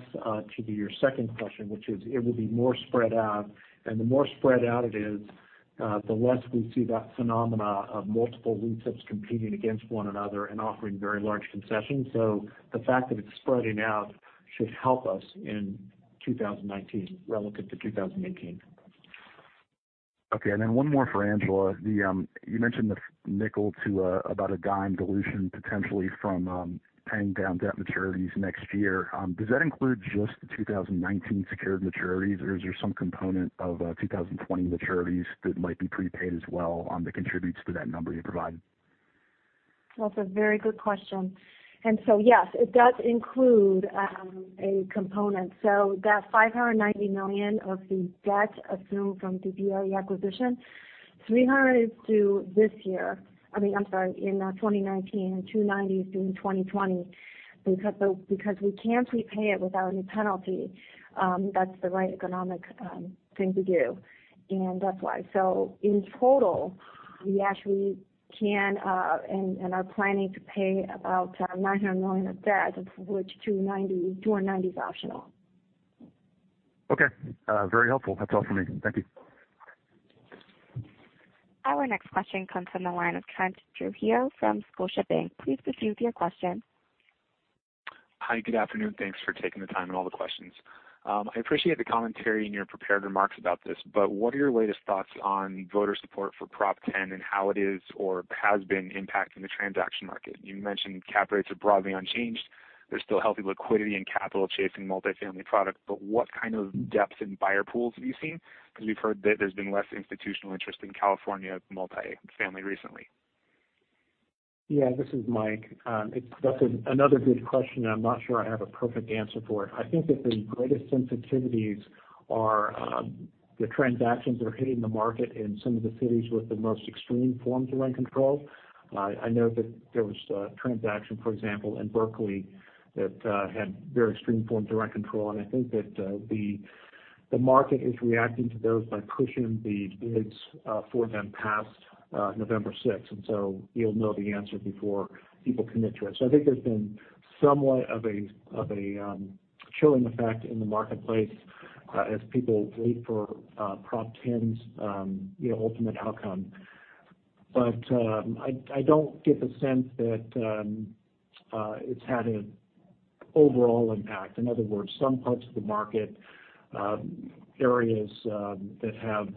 second question, which is it will be more spread out, and the more spread out it is, the less we see that phenomena of multiple REITs competing against one another and offering very large concessions. The fact that it's spreading out should help us in 2019 relative to 2018. Okay. One more for Angela. You mentioned the $0.05 to about a $0.10 dilution potentially from paying down debt maturities next year. Does that include just the 2019 secured maturities, or is there some component of 2020 maturities that might be prepaid as well that contributes to that number you provided? That's a very good question. Yes, it does include a component. That $590 million of the debt assumed from the BRE acquisition, $300 million is due this year. I'm sorry, in 2019, and $290 million is due in 2020. Because we can't repay it without any penalty, that's the right economic thing to do, and that's why. In total, we actually can, and are planning to pay about $900 million of debt, of which $290 million is optional. Okay. Very helpful. That's all for me. Thank you. Our next question comes from the line of Trent Trujillo from Scotiabank. Please proceed with your question. Hi, good afternoon. Thanks for taking the time and all the questions. I appreciate the commentary in your prepared remarks about this, what are your latest thoughts on voter support for Prop 10 and how it is or has been impacting the transaction market? You mentioned cap rates are broadly unchanged. There's still healthy liquidity and capital chasing multifamily product, what kind of depth in buyer pools have you seen? We've heard that there's been less institutional interest in California multifamily recently. Yeah, this is Mike. That's another good question, I'm not sure I have a perfect answer for it. I think that the greatest sensitivities are the transactions that are hitting the market in some of the cities with the most extreme forms of rent control. I know that there was a transaction, for example, in Berkeley that had very extreme form of rent control, and I think that The market is reacting to those by pushing the bids for them past November 6th. You'll know the answer before people commit to it. I think there's been somewhat of a chilling effect in the marketplace as people wait for Prop 10's ultimate outcome. I don't get the sense that it's had an overall impact. In other words, some parts of the market, areas that have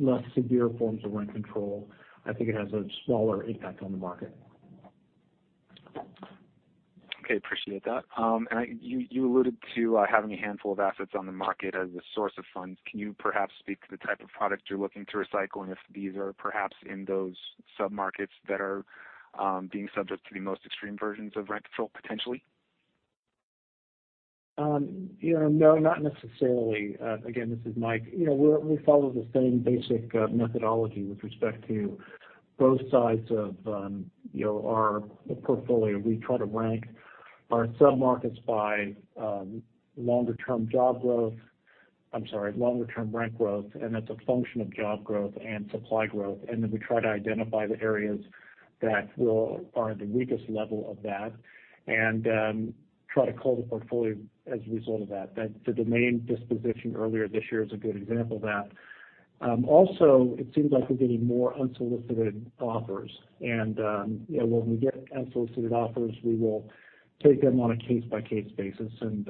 less severe forms of rent control, I think it has a smaller impact on the market. Okay, appreciate that. You alluded to having a handful of assets on the market as a source of funds. Can you perhaps speak to the type of product you're looking to recycle, and if these are perhaps in those sub-markets that are being subject to the most extreme versions of rent control, potentially? Yeah, no, not necessarily. Again, this is Mike. We follow the same basic methodology with respect to both sides of our portfolio. We try to rank our sub-markets by longer-term job growth. I'm sorry, longer-term rent growth. That's a function of job growth and supply growth. We try to identify the areas that are at the weakest level of that and try to cull the portfolio as a result of that. The Domain disposition earlier this year is a good example of that. Also, it seems like we're getting more unsolicited offers. When we get unsolicited offers, we will take them on a case-by-case basis, and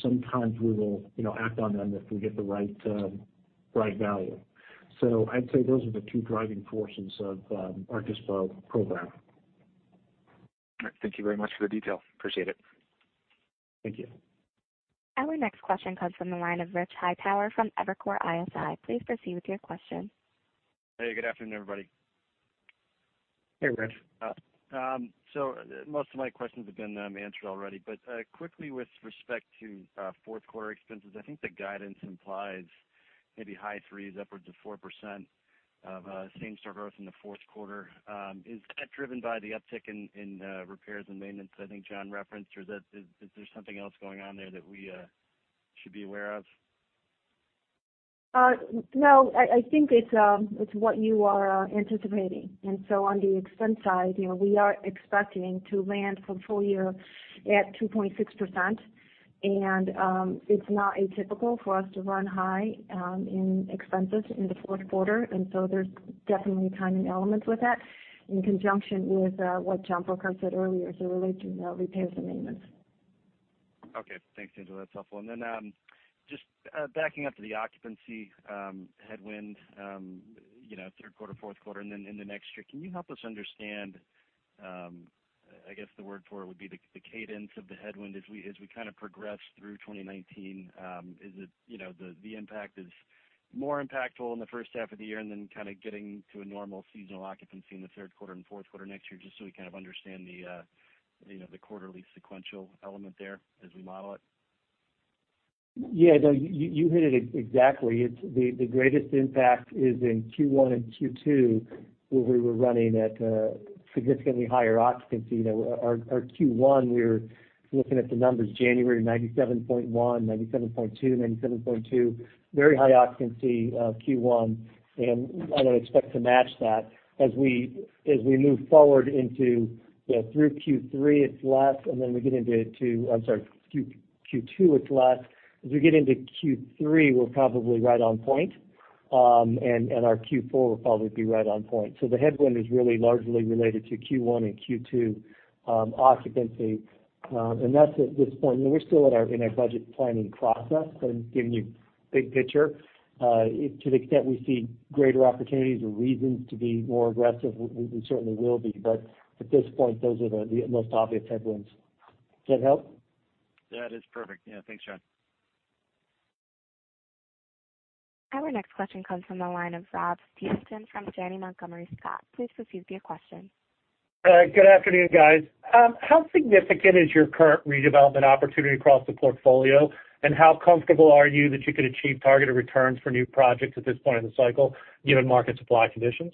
sometimes we will act on them if we get the right value. I'd say those are the two driving forces of our dispo program. Thank you very much for the detail. Appreciate it. Thank you. Our next question comes from the line of Rich Hightower from Evercore ISI. Please proceed with your question. Hey, good afternoon, everybody. Hey, Rich. Most of my questions have been answered already, quickly with respect to fourth quarter expenses, I think the guidance implies maybe high 3s upwards of 4% of same-store growth in the fourth quarter. Is that driven by the uptick in repairs and maintenance I think John referenced, or is there something else going on there that we should be aware of? No, I think it's what you are anticipating. On the expense side, we are expecting to land for the full year at 2.6%, it's not atypical for us to run high in expenses in the fourth quarter. There's definitely timing elements with that, in conjunction with what John Burkart said earlier as it relates to repairs and maintenance. Okay. Thanks, Angela. That's helpful. Just backing up to the occupancy headwind, third quarter, fourth quarter, in the next year, can you help us understand, I guess the word for it would be the cadence of the headwind as we kind of progress through 2019? Is it the impact is more impactful in the first half of the year and then kind of getting to a normal seasonal occupancy in the third quarter and fourth quarter next year, just so we kind of understand the quarterly sequential element there as we model it? Yeah. No, you hit it exactly. The greatest impact is in Q1 and Q2, where we were running at a significantly higher occupancy. Our Q1, we're looking at the numbers January 97.1%, 97.2%, 97.2%, very high occupancy Q1, I don't expect to match that. As we move forward into through Q3 it's less, we get into I'm sorry, Q2 it's less. As we get into Q3, we're probably right on point. Our Q4 will probably be right on point. The headwind is really largely related to Q1 and Q2 occupancy. That's at this point. We're still in our budget planning process, so I'm giving you big picture. To the extent we see greater opportunities or reasons to be more aggressive, we certainly will be. At this point, those are the most obvious headwinds. Does that help? That is perfect. Yeah, thanks, John. Our next question comes from the line of Rob Stevenson from Janney Montgomery Scott. Please proceed with your question. Good afternoon, guys. How significant is your current redevelopment opportunity across the portfolio, and how comfortable are you that you could achieve targeted returns for new projects at this point in the cycle, given market supply conditions?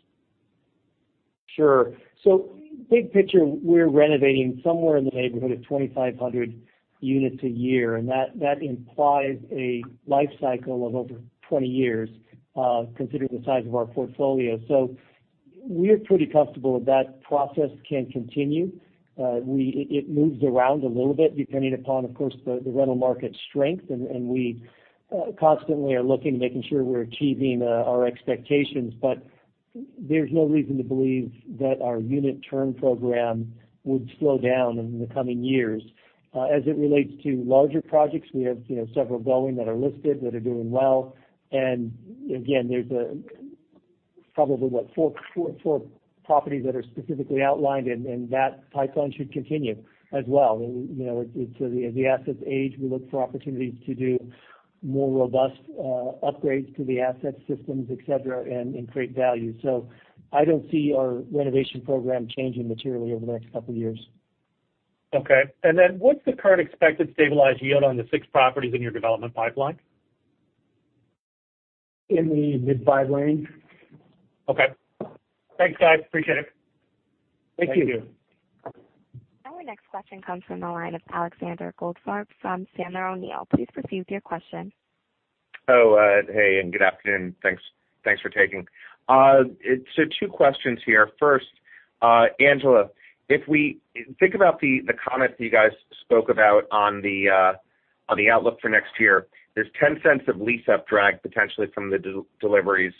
Sure. Big picture, we're renovating somewhere in the neighborhood of 2,500 units a year, and that implies a life cycle of over 20 years considering the size of our portfolio. We're pretty comfortable that process can continue. It moves around a little bit depending upon, of course, the rental market strength, and we constantly are looking, making sure we're achieving our expectations. There's no reason to believe that our unit turn program would slow down in the coming years. As it relates to larger projects, we have several going that are listed that are doing well. Again, there's probably, what, four properties that are specifically outlined, and that pipeline should continue as well. As the assets age, we look for opportunities to do more robust upgrades to the asset systems, et cetera, and create value. I don't see our renovation program changing materially over the next couple of years. Okay. What's the current expected stabilized yield on the six properties in your development pipeline? In the mid five range. Okay. Thanks, guys. Appreciate it. Thank you. Our next question comes from the line of Alexander Goldfarb from Sandler O'Neill. Please proceed with your question. Hello. Hey, good afternoon. Thanks for taking. Two questions here. First, Angela, if we think about the comments that you guys spoke about on the outlook for next year, there's $0.10 of lease-up drag potentially from the deliveries.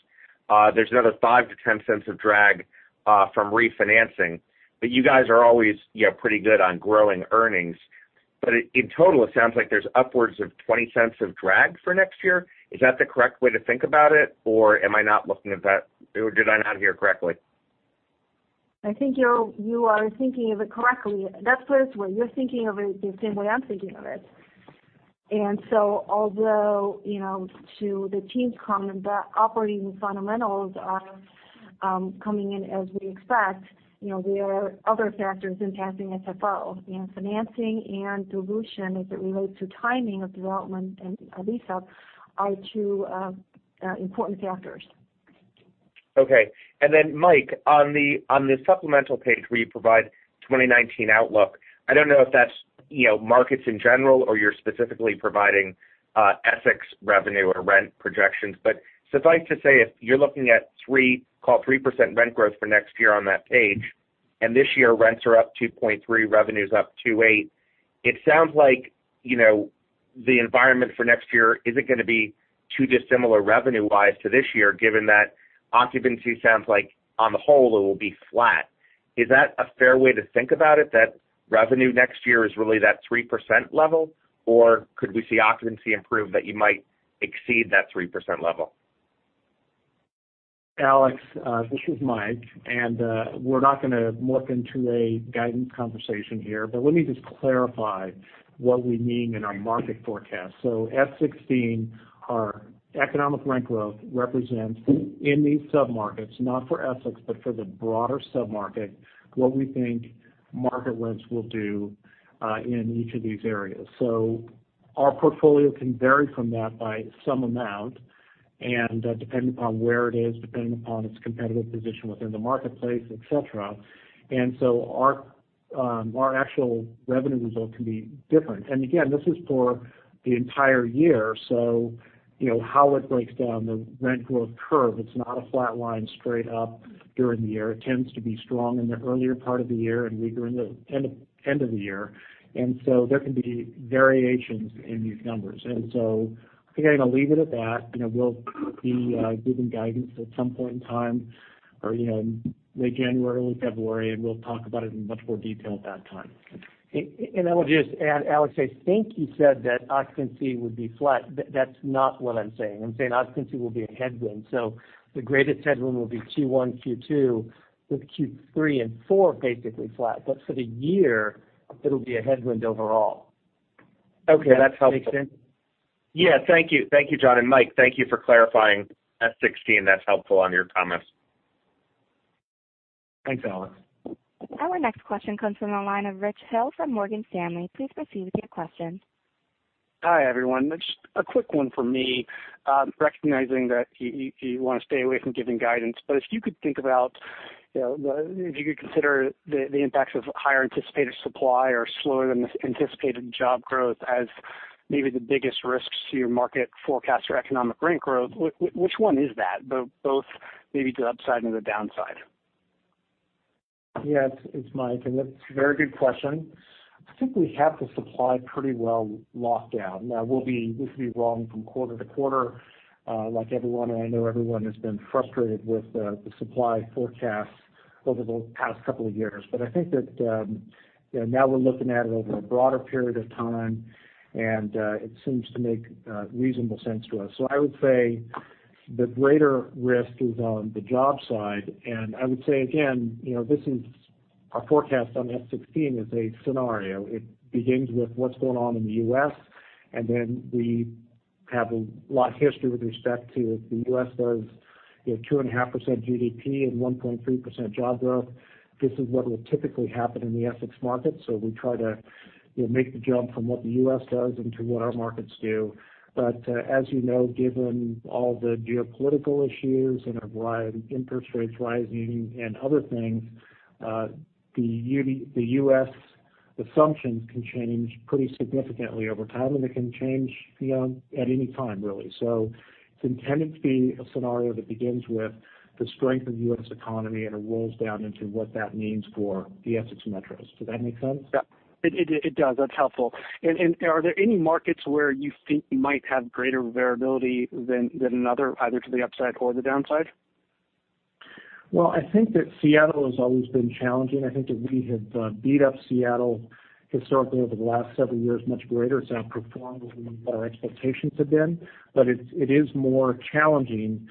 There's another $0.05-$0.10 of drag from refinancing. You guys are always pretty good on growing earnings. In total, it sounds like there's upwards of $0.20 of drag for next year. Is that the correct way to think about it? Am I not looking at that? Did I not hear correctly? I think you are thinking of it correctly. That's first way, you're thinking of it the same way I'm thinking of it. Although, to the team's comment, the operating fundamentals are coming in as we expect, there are other factors impacting FFO, and financing and dilution as it relates to timing of development and lease-up are two important factors. Okay. Mike, on the supplemental page where you provide 2019 outlook, I don't know if that's markets in general or you're specifically providing Essex revenue or rent projections. Suffice to say, if you're looking at call 3% rent growth for next year on that page, and this year rents are up 2.3%, revenue's up 2.8%. It sounds like the environment for next year isn't going to be too dissimilar revenue-wise to this year, given that occupancy sounds like on the whole it will be flat. Is that a fair way to think about it, that revenue next year is really that 3% level? Or could we see occupancy improve that you might exceed that 3% level? Alex, this is Mike. We're not going to morph into a guidance conversation here, but let me just clarify what we mean in our market forecast. S-16, our economic rent growth represents in these sub-markets, not for Essex, but for the broader sub-market, what we think market rents will do in each of these areas. Our portfolio can vary from that by some amount and depending upon where it is, depending upon its competitive position within the marketplace, et cetera. Our actual revenue result can be different. Again, this is for the entire year. How it breaks down the rent growth curve, it's not a flat line straight up during the year. It tends to be strong in the earlier part of the year and weaker in the end of the year. There can be variations in these numbers. I think I'm going to leave it at that. We'll be giving guidance at some point in time or late January, early February, we'll talk about it in much more detail at that time. I will just add, Alex, I think you said that occupancy would be flat. That's not what I'm saying. I'm saying occupancy will be a headwind. The greatest headwind will be Q1, Q2, with Q3 and Q4 basically flat. For the year, it'll be a headwind overall. Okay. That's helpful. Does that make sense? Yeah. Thank you, John. Mike, thank you for clarifying S-16. That's helpful on your comments. Thanks, Alex. Our next question comes from the line of Richard Hill from Morgan Stanley. Please proceed with your question. Hi, everyone. Just a quick one for me. Recognizing that you want to stay away from giving guidance, if you could consider the impacts of higher anticipated supply or slower than anticipated job growth as maybe the biggest risks to your market forecast for economic rent growth, which one is that? Both maybe the upside and the downside. Yeah. It's Mike, that's a very good question. I think we have the supply pretty well locked down. We could be wrong from quarter to quarter like everyone, I know everyone has been frustrated with the supply forecast over the past couple of years. I think that now we're looking at it over a broader period of time, it seems to make reasonable sense to us. I would say the greater risk is on the job side. I would say again, our forecast on S-16 is a scenario. It begins with what's going on in the U.S., then we have a lot of history with respect to if the U.S. does 2.5% GDP and 1.3% job growth, this is what will typically happen in the Essex market. We try to make the jump from what the U.S. does into what our markets do. As you know, given all the geopolitical issues a variety of interest rates rising and other things, the U.S. assumptions can change pretty significantly over time, they can change at any time, really. It's intended to be a scenario that begins with the strength of the U.S. economy, it rolls down into what that means for the Essex metros. Does that make sense? Yeah. It does. That's helpful. Are there any markets where you think you might have greater variability than another, either to the upside or the downside? Well, I think that Seattle has always been challenging. I think that we have beat up Seattle historically over the last several years much greater. It's outperformed what our expectations have been. It is more challenging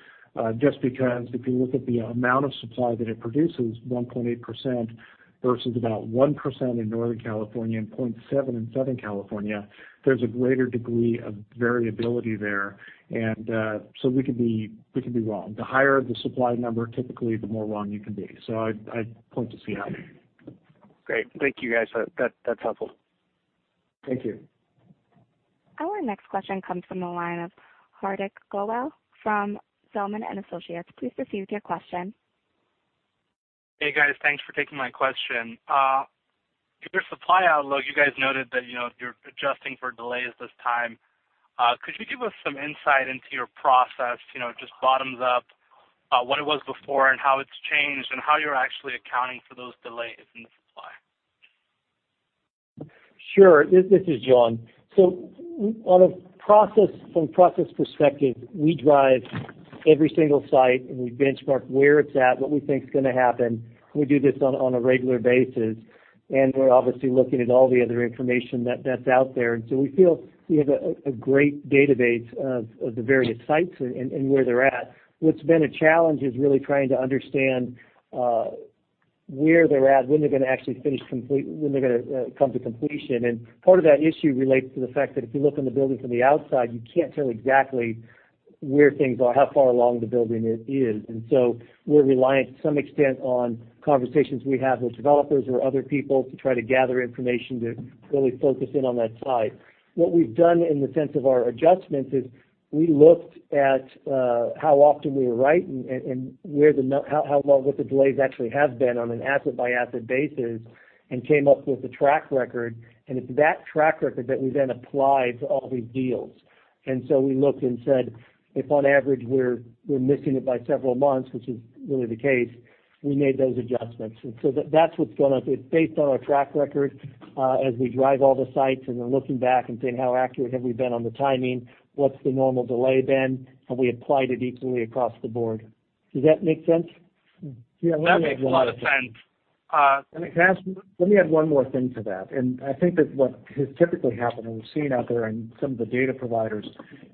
just because if you look at the amount of supply that it produces, 1.8% versus about 1% in Northern California and 0.7% in Southern California, there's a greater degree of variability there. We could be wrong. The higher the supply number, typically, the more wrong you can be. I'd point to Seattle. Great. Thank you, guys. That's helpful. Thank you. Our next question comes from the line of Hardik Goel from Zelman & Associates. Please proceed with your question. Hey, guys. Thanks for taking my question. In your supply outlook, you guys noted that you're adjusting for delays this time. Could you give us some insight into your process, just bottoms up, what it was before and how it's changed, and how you're actually accounting for those delays in the supply? Sure. This is John. From process perspective, we drive every single site, and we benchmark where it's at, what we think is going to happen. We do this on a regular basis, we're obviously looking at all the other information that's out there. We feel we have a great database of the various sites and where they're at. What's been a challenge is really trying to understand where they're at, when they're going to come to completion. Part of that issue relates to the fact that if you look in the building from the outside, you can't tell exactly how far along the building is. We're reliant to some extent on conversations we have with developers or other people to try to gather information to really focus in on that site. What we've done in the sense of our adjustments is we looked at how often we were right and what the delays actually have been on an asset-by-asset basis and came up with a track record. It's that track record that we then apply to all these deals. We looked and said, if on average we're missing it by several months, which is really the case, we made those adjustments. That's what's going on. It's based on our track record as we drive all the sites, then looking back and saying, how accurate have we been on the timing, what's the normal delay been? We applied it equally across the board. Does that make sense? That makes a lot of sense. Let me add one more thing to that. I think that what has typically happened, and we've seen out there in some of the data providers,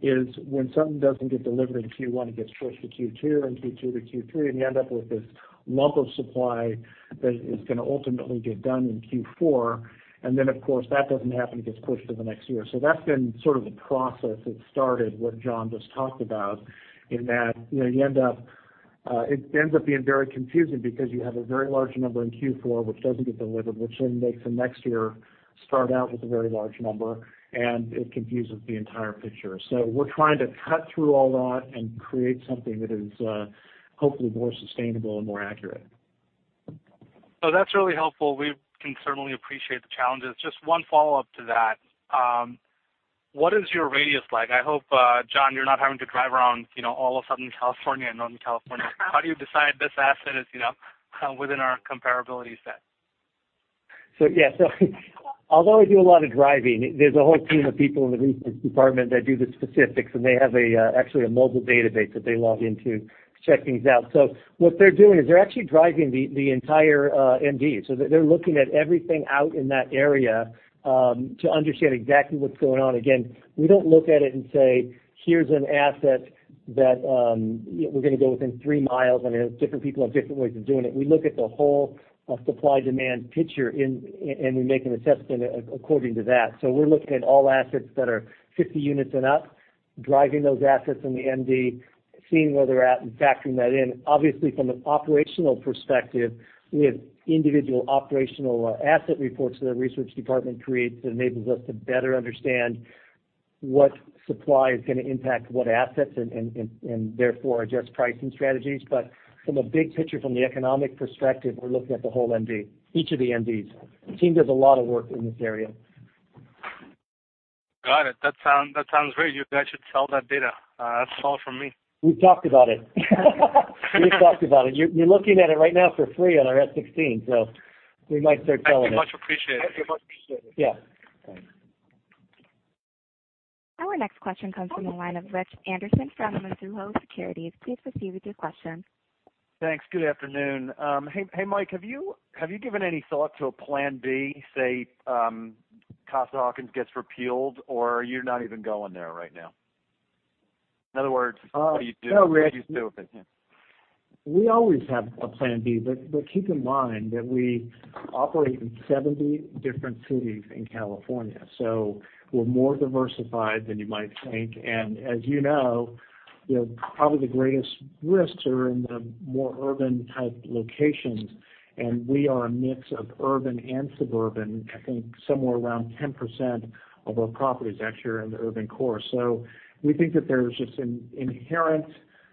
is when something doesn't get delivered in Q1, it gets pushed to Q2, and Q2 to Q3, and you end up with this lump of supply that is going to ultimately get done in Q4. Then, of course, that doesn't happen. It gets pushed to the next year. That's been sort of the process that started what John just talked about in that it ends up being very confusing because you have a very large number in Q4, which doesn't get delivered, which then makes the next year start out with a very large number, and it confuses the entire picture. We're trying to cut through all that and create something that is hopefully more sustainable and more accurate. That's really helpful. We can certainly appreciate the challenges. Just one follow-up to that. What is your radius like? I hope, John, you're not having to drive around all of Southern California and Northern California. How do you decide this asset is within our comparability set? Yes. Although I do a lot of driving, there's a whole team of people in the research department that do the specifics, and they have actually a mobile database that they log into to check things out. What they're doing is they're actually driving the entire MD. They're looking at everything out in that area to understand exactly what's going on. Again, we don't look at it and say, here's an asset that we're going to go within three miles, and different people have different ways of doing it. We look at the whole supply-demand picture, and we make an assessment according to that. We're looking at all assets that are 50 units and up, driving those assets in the MD, seeing where they're at and factoring that in. From an operational perspective, we have individual operational asset reports that our research department creates that enables us to better understand what supply is going to impact what assets and therefore adjust pricing strategies. From a big picture, from the economic perspective, we're looking at the whole MD, each of the MDs. The team does a lot of work in this area. Got it. That sounds great. You guys should sell that data. That's all from me. We've talked about it. You're looking at it right now for free on our S-16. We might start selling it. I do much appreciate it. Yeah. Our next question comes from the line of Richard Anderson from Mizuho Securities. Please proceed with your question. Thanks. Good afternoon. Hey, Mike, have you given any thought to a plan B, say, Costa-Hawkins gets repealed, or you're not even going there right now? In other words, what do you do with it? We always have a plan B. Keep in mind that we operate in 70 different cities in California. We're more diversified than you might think. As you know, probably the greatest risks are in the more urban-type locations, and we are a mix of urban and suburban. I think somewhere around 10% of our properties are actually in the urban core. We think that there's just an inherent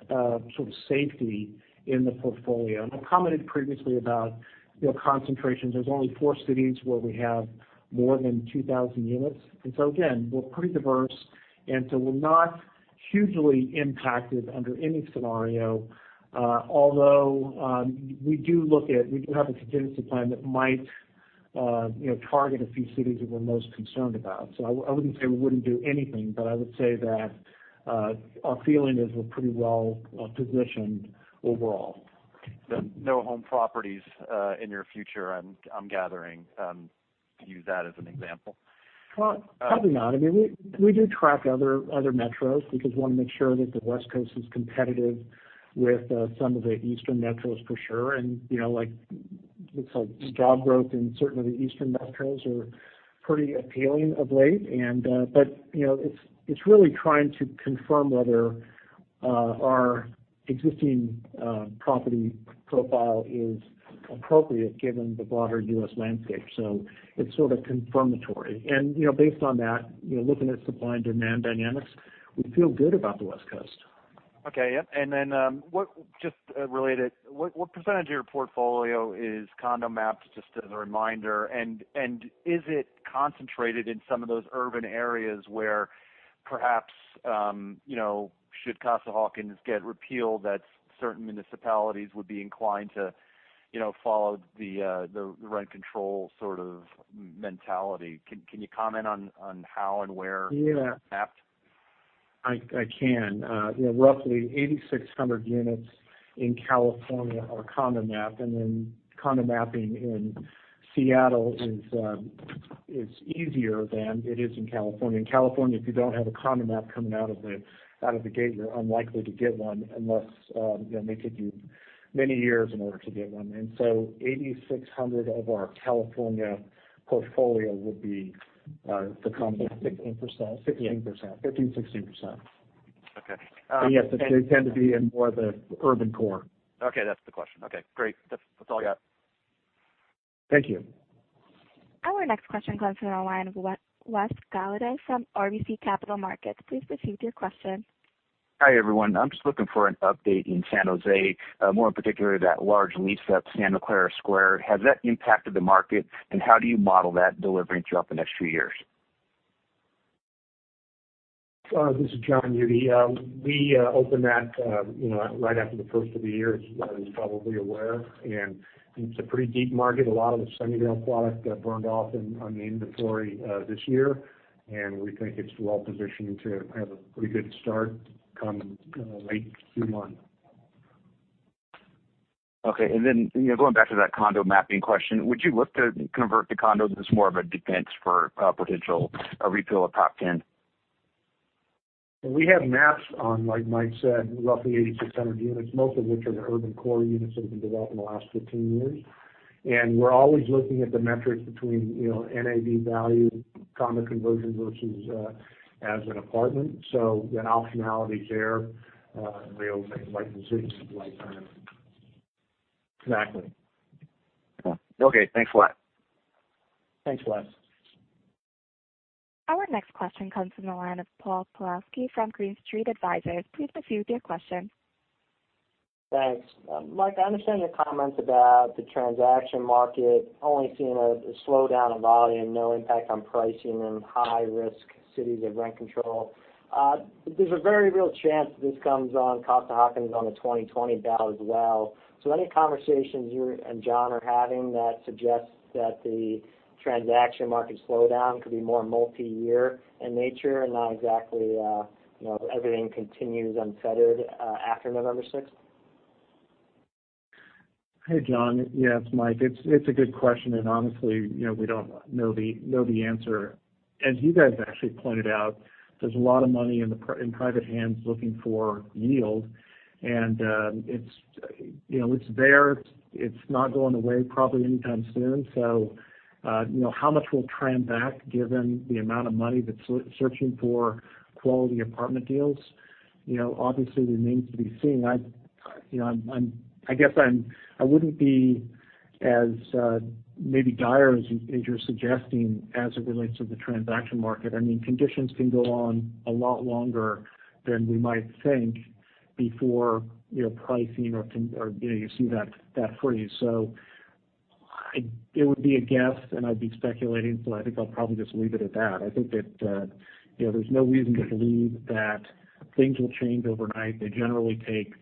sort of safety in the portfolio. I commented previously about concentrations. There's only four cities where we have more than 2,000 units. Again, we're pretty diverse, and so we're not hugely impacted under any scenario. Although we do have a contingency plan that might target a few cities that we're most concerned about. I wouldn't say we wouldn't do anything, but I would say that our feeling is we're pretty well-positioned overall. No home properties in your future, I'm gathering, to use that as an example. Well, probably not. I mean, we do track other metros because we want to make sure that the West Coast is competitive with some of the Eastern metros, for sure. It looks like job growth in certain of the Eastern metros are pretty appealing of late. It's really trying to confirm whether Our existing property profile is appropriate given the broader U.S. landscape. It's sort of confirmatory. Based on that, looking at supply and demand dynamics, we feel good about the West Coast. Okay. Yep. Just related, what percentage of your portfolio is condo-mapped, just as a reminder, and is it concentrated in some of those urban areas where perhaps, should Costa-Hawkins get repealed, that certain municipalities would be inclined to follow the rent control sort of mentality? Can you comment on how and where- Yeah mapped? I can. Roughly 8,600 units in California are condo-mapped, and then condo-mapping in Seattle is easier than it is in California. In California, if you don't have a condo map coming out of the gate, you're unlikely to get one, unless they may take you many years in order to get one. 8,600 of our California portfolio would be the condo map. 16%. 16%, 15%, 16%. Okay. Yes, they tend to be in more of the urban core. Okay. That's the question. Okay, great. That's all I got. Thank you. Our next question comes from the line of Wes Gantas from RBC Capital Markets. Please proceed with your question. Hi, everyone. I'm just looking for an update in San Jose, more in particular, that large lease-up, Santa Clara Square. Has that impacted the market, how do you model that delivering throughout the next few years? This is John Rennie. We opened that right after the first of the year, as you are probably aware, it's a pretty deep market. A lot of the Sunnyvale product got burned off on the inventory this year, we think it's well-positioned to have a pretty good start come late Q1. Okay. Going back to that condo mapping question, would you look to convert to condos as more of a defense for a potential repeal of Proposition 10? We have maps on, like Mike said, roughly 8,600 units, most of which are the urban core units that have been developed in the last 15 years. We're always looking at the metrics between NAV value, condo conversion, versus as an apartment. An optionality there, we'll make the right decision at the right time. Exactly. Okay. Thanks a lot. Thanks, Wes. Our next question comes from the line of John Pawlowski from Green Street Advisors. Please proceed with your question. Thanks. Mike, I understand your comments about the transaction market only seeing a slowdown in volume, no impact on pricing in high-risk cities of rent control. There's a very real chance this comes on Costa-Hawkins on the 2020 ballot as well. Any conversations you and John are having that suggests that the transaction market slowdown could be more multi-year in nature and not exactly everything continues unfettered after November 6th? Hey, John. Yeah, it's Michael Schall. It's a good question. Honestly, we don't know the answer. As you guys actually pointed out, there's a lot of money in private hands looking for yield. It's there. It's not going away probably anytime soon. How much will trend back given the amount of money that's searching for quality apartment deals? Obviously, remains to be seen. I guess I wouldn't be as maybe dire as you're suggesting as it relates to the transaction market. Conditions can go on a lot longer than we might think before pricing or you see that freeze. It would be a guess, and I'd be speculating. I think I'll probably just leave it at that. I think that there's no reason to believe that things will change overnight. They generally take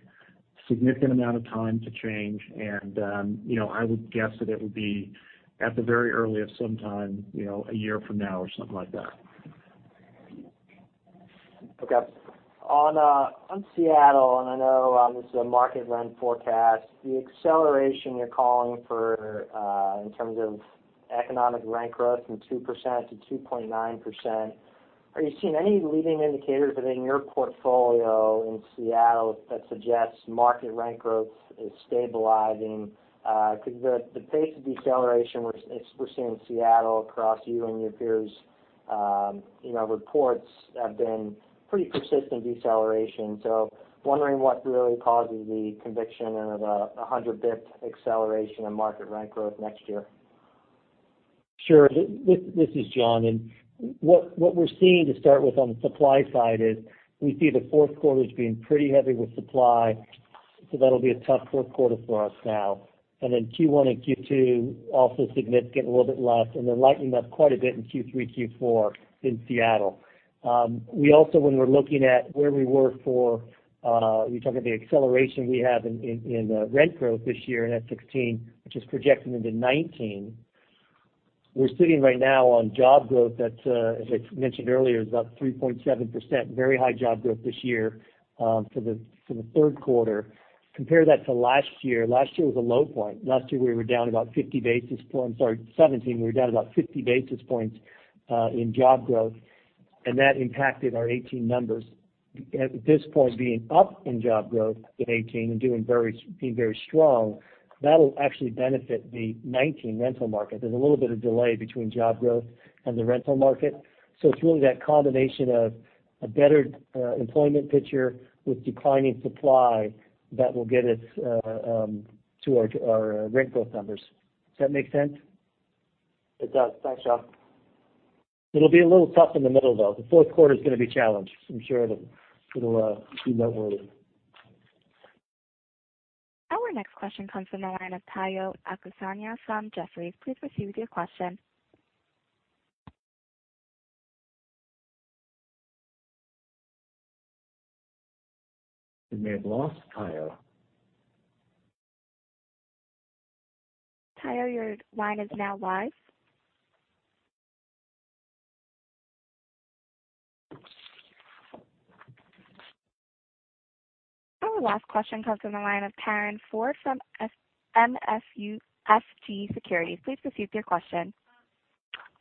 significant amount of time to change. I would guess that it would be at the very earliest, sometime a year from now or something like that. Okay. On Seattle, I know this is a market rent forecast, the acceleration you're calling for in terms of economic rent growth from 2%-2.9%, are you seeing any leading indicators within your portfolio in Seattle that suggests market rent growth is stabilizing? The pace of deceleration we're seeing in Seattle across you and your peers' reports have been pretty persistent deceleration. Wondering what really causes the conviction of 100 basis points acceleration in market rent growth next year. Sure. This is John. What we're seeing to start with on the supply side is we see the fourth quarter as being pretty heavy with supply, so that'll be a tough fourth quarter for us now. Then Q1 and Q2, also significant, a little bit less, and then lightening up quite a bit in Q3, Q4 in Seattle. We also, when we're looking at where we were. You talk about the acceleration we have in rent growth this year in S-16, which is projecting into 2019. We're sitting right now on job growth that, as I mentioned earlier, is up 3.7%, very high job growth this year for the third quarter. Compare that to last year. Last year was a low point. Last year we were down about 50 basis points Or 2017, we were down about 50 basis points in job growth. That impacted our 2018 numbers. At this point, being up in job growth in 2018 and being very strong, that'll actually benefit the 2019 rental market. There's a little bit of delay between job growth and the rental market. It's really that combination of a better employment picture with declining supply that will get us to our rent growth numbers. Does that make sense? It does. Thanks, John. It'll be a little tough in the middle, though. The fourth quarter's going to be challenged, I'm sure of it. It'll be noteworthy. Our next question comes from the line of Tayo Okusanya from Jefferies. Please proceed with your question. We may have lost Tayo. Tayo, your line is now live. Our last question comes from the line of Karin Ford from MUFG Securities. Please proceed with your question.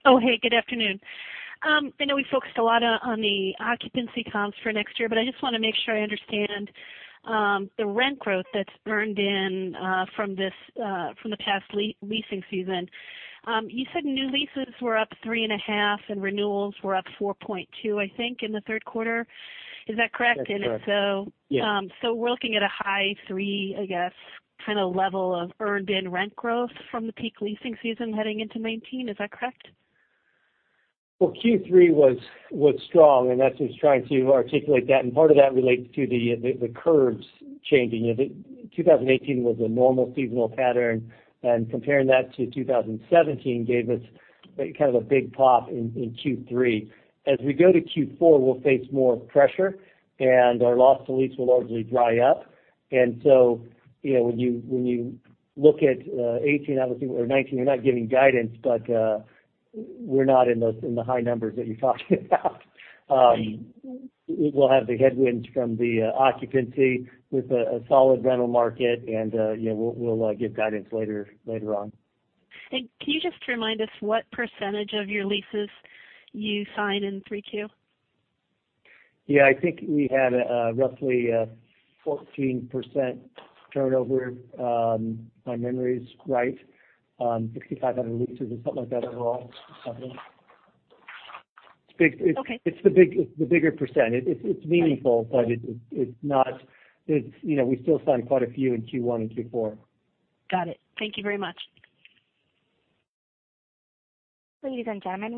Hey, good afternoon. I know we focused a lot on the occupancy comps for next year, I just want to make sure I understand the rent growth that's earned in from the past leasing season. You said new leases were up 3.5% and renewals were up 4.2%, I think, in the third quarter. Is that correct? That's correct. And if so- Yeah. We're looking at a high three, I guess, kind of level of earned in rent growth from the peak leasing season heading into 2019. Is that correct? Q3 was strong, and that's just trying to articulate that, and part of that relates to the curves changing. 2018 was a normal seasonal pattern, and comparing that to 2017 gave us kind of a big pop in Q3. As we go to Q4, we'll face more pressure, and our loss to lease will largely dry up. When you look at 2018, obviously, or 2019, we're not giving guidance, but we're not in the high numbers that you're talking about. We'll have the headwinds from the occupancy with a solid rental market and we'll give guidance later on. Can you just remind us what percentage of your leases you sign in 3Q? Yeah, I think we had roughly a 14% turnover, if my memory's right. 6,500 leases or something like that overall. Something. Okay. It's the bigger percent. It's meaningful, but we still signed quite a few in Q1 and Q4. Got it. Thank you very much. Ladies and gentlemen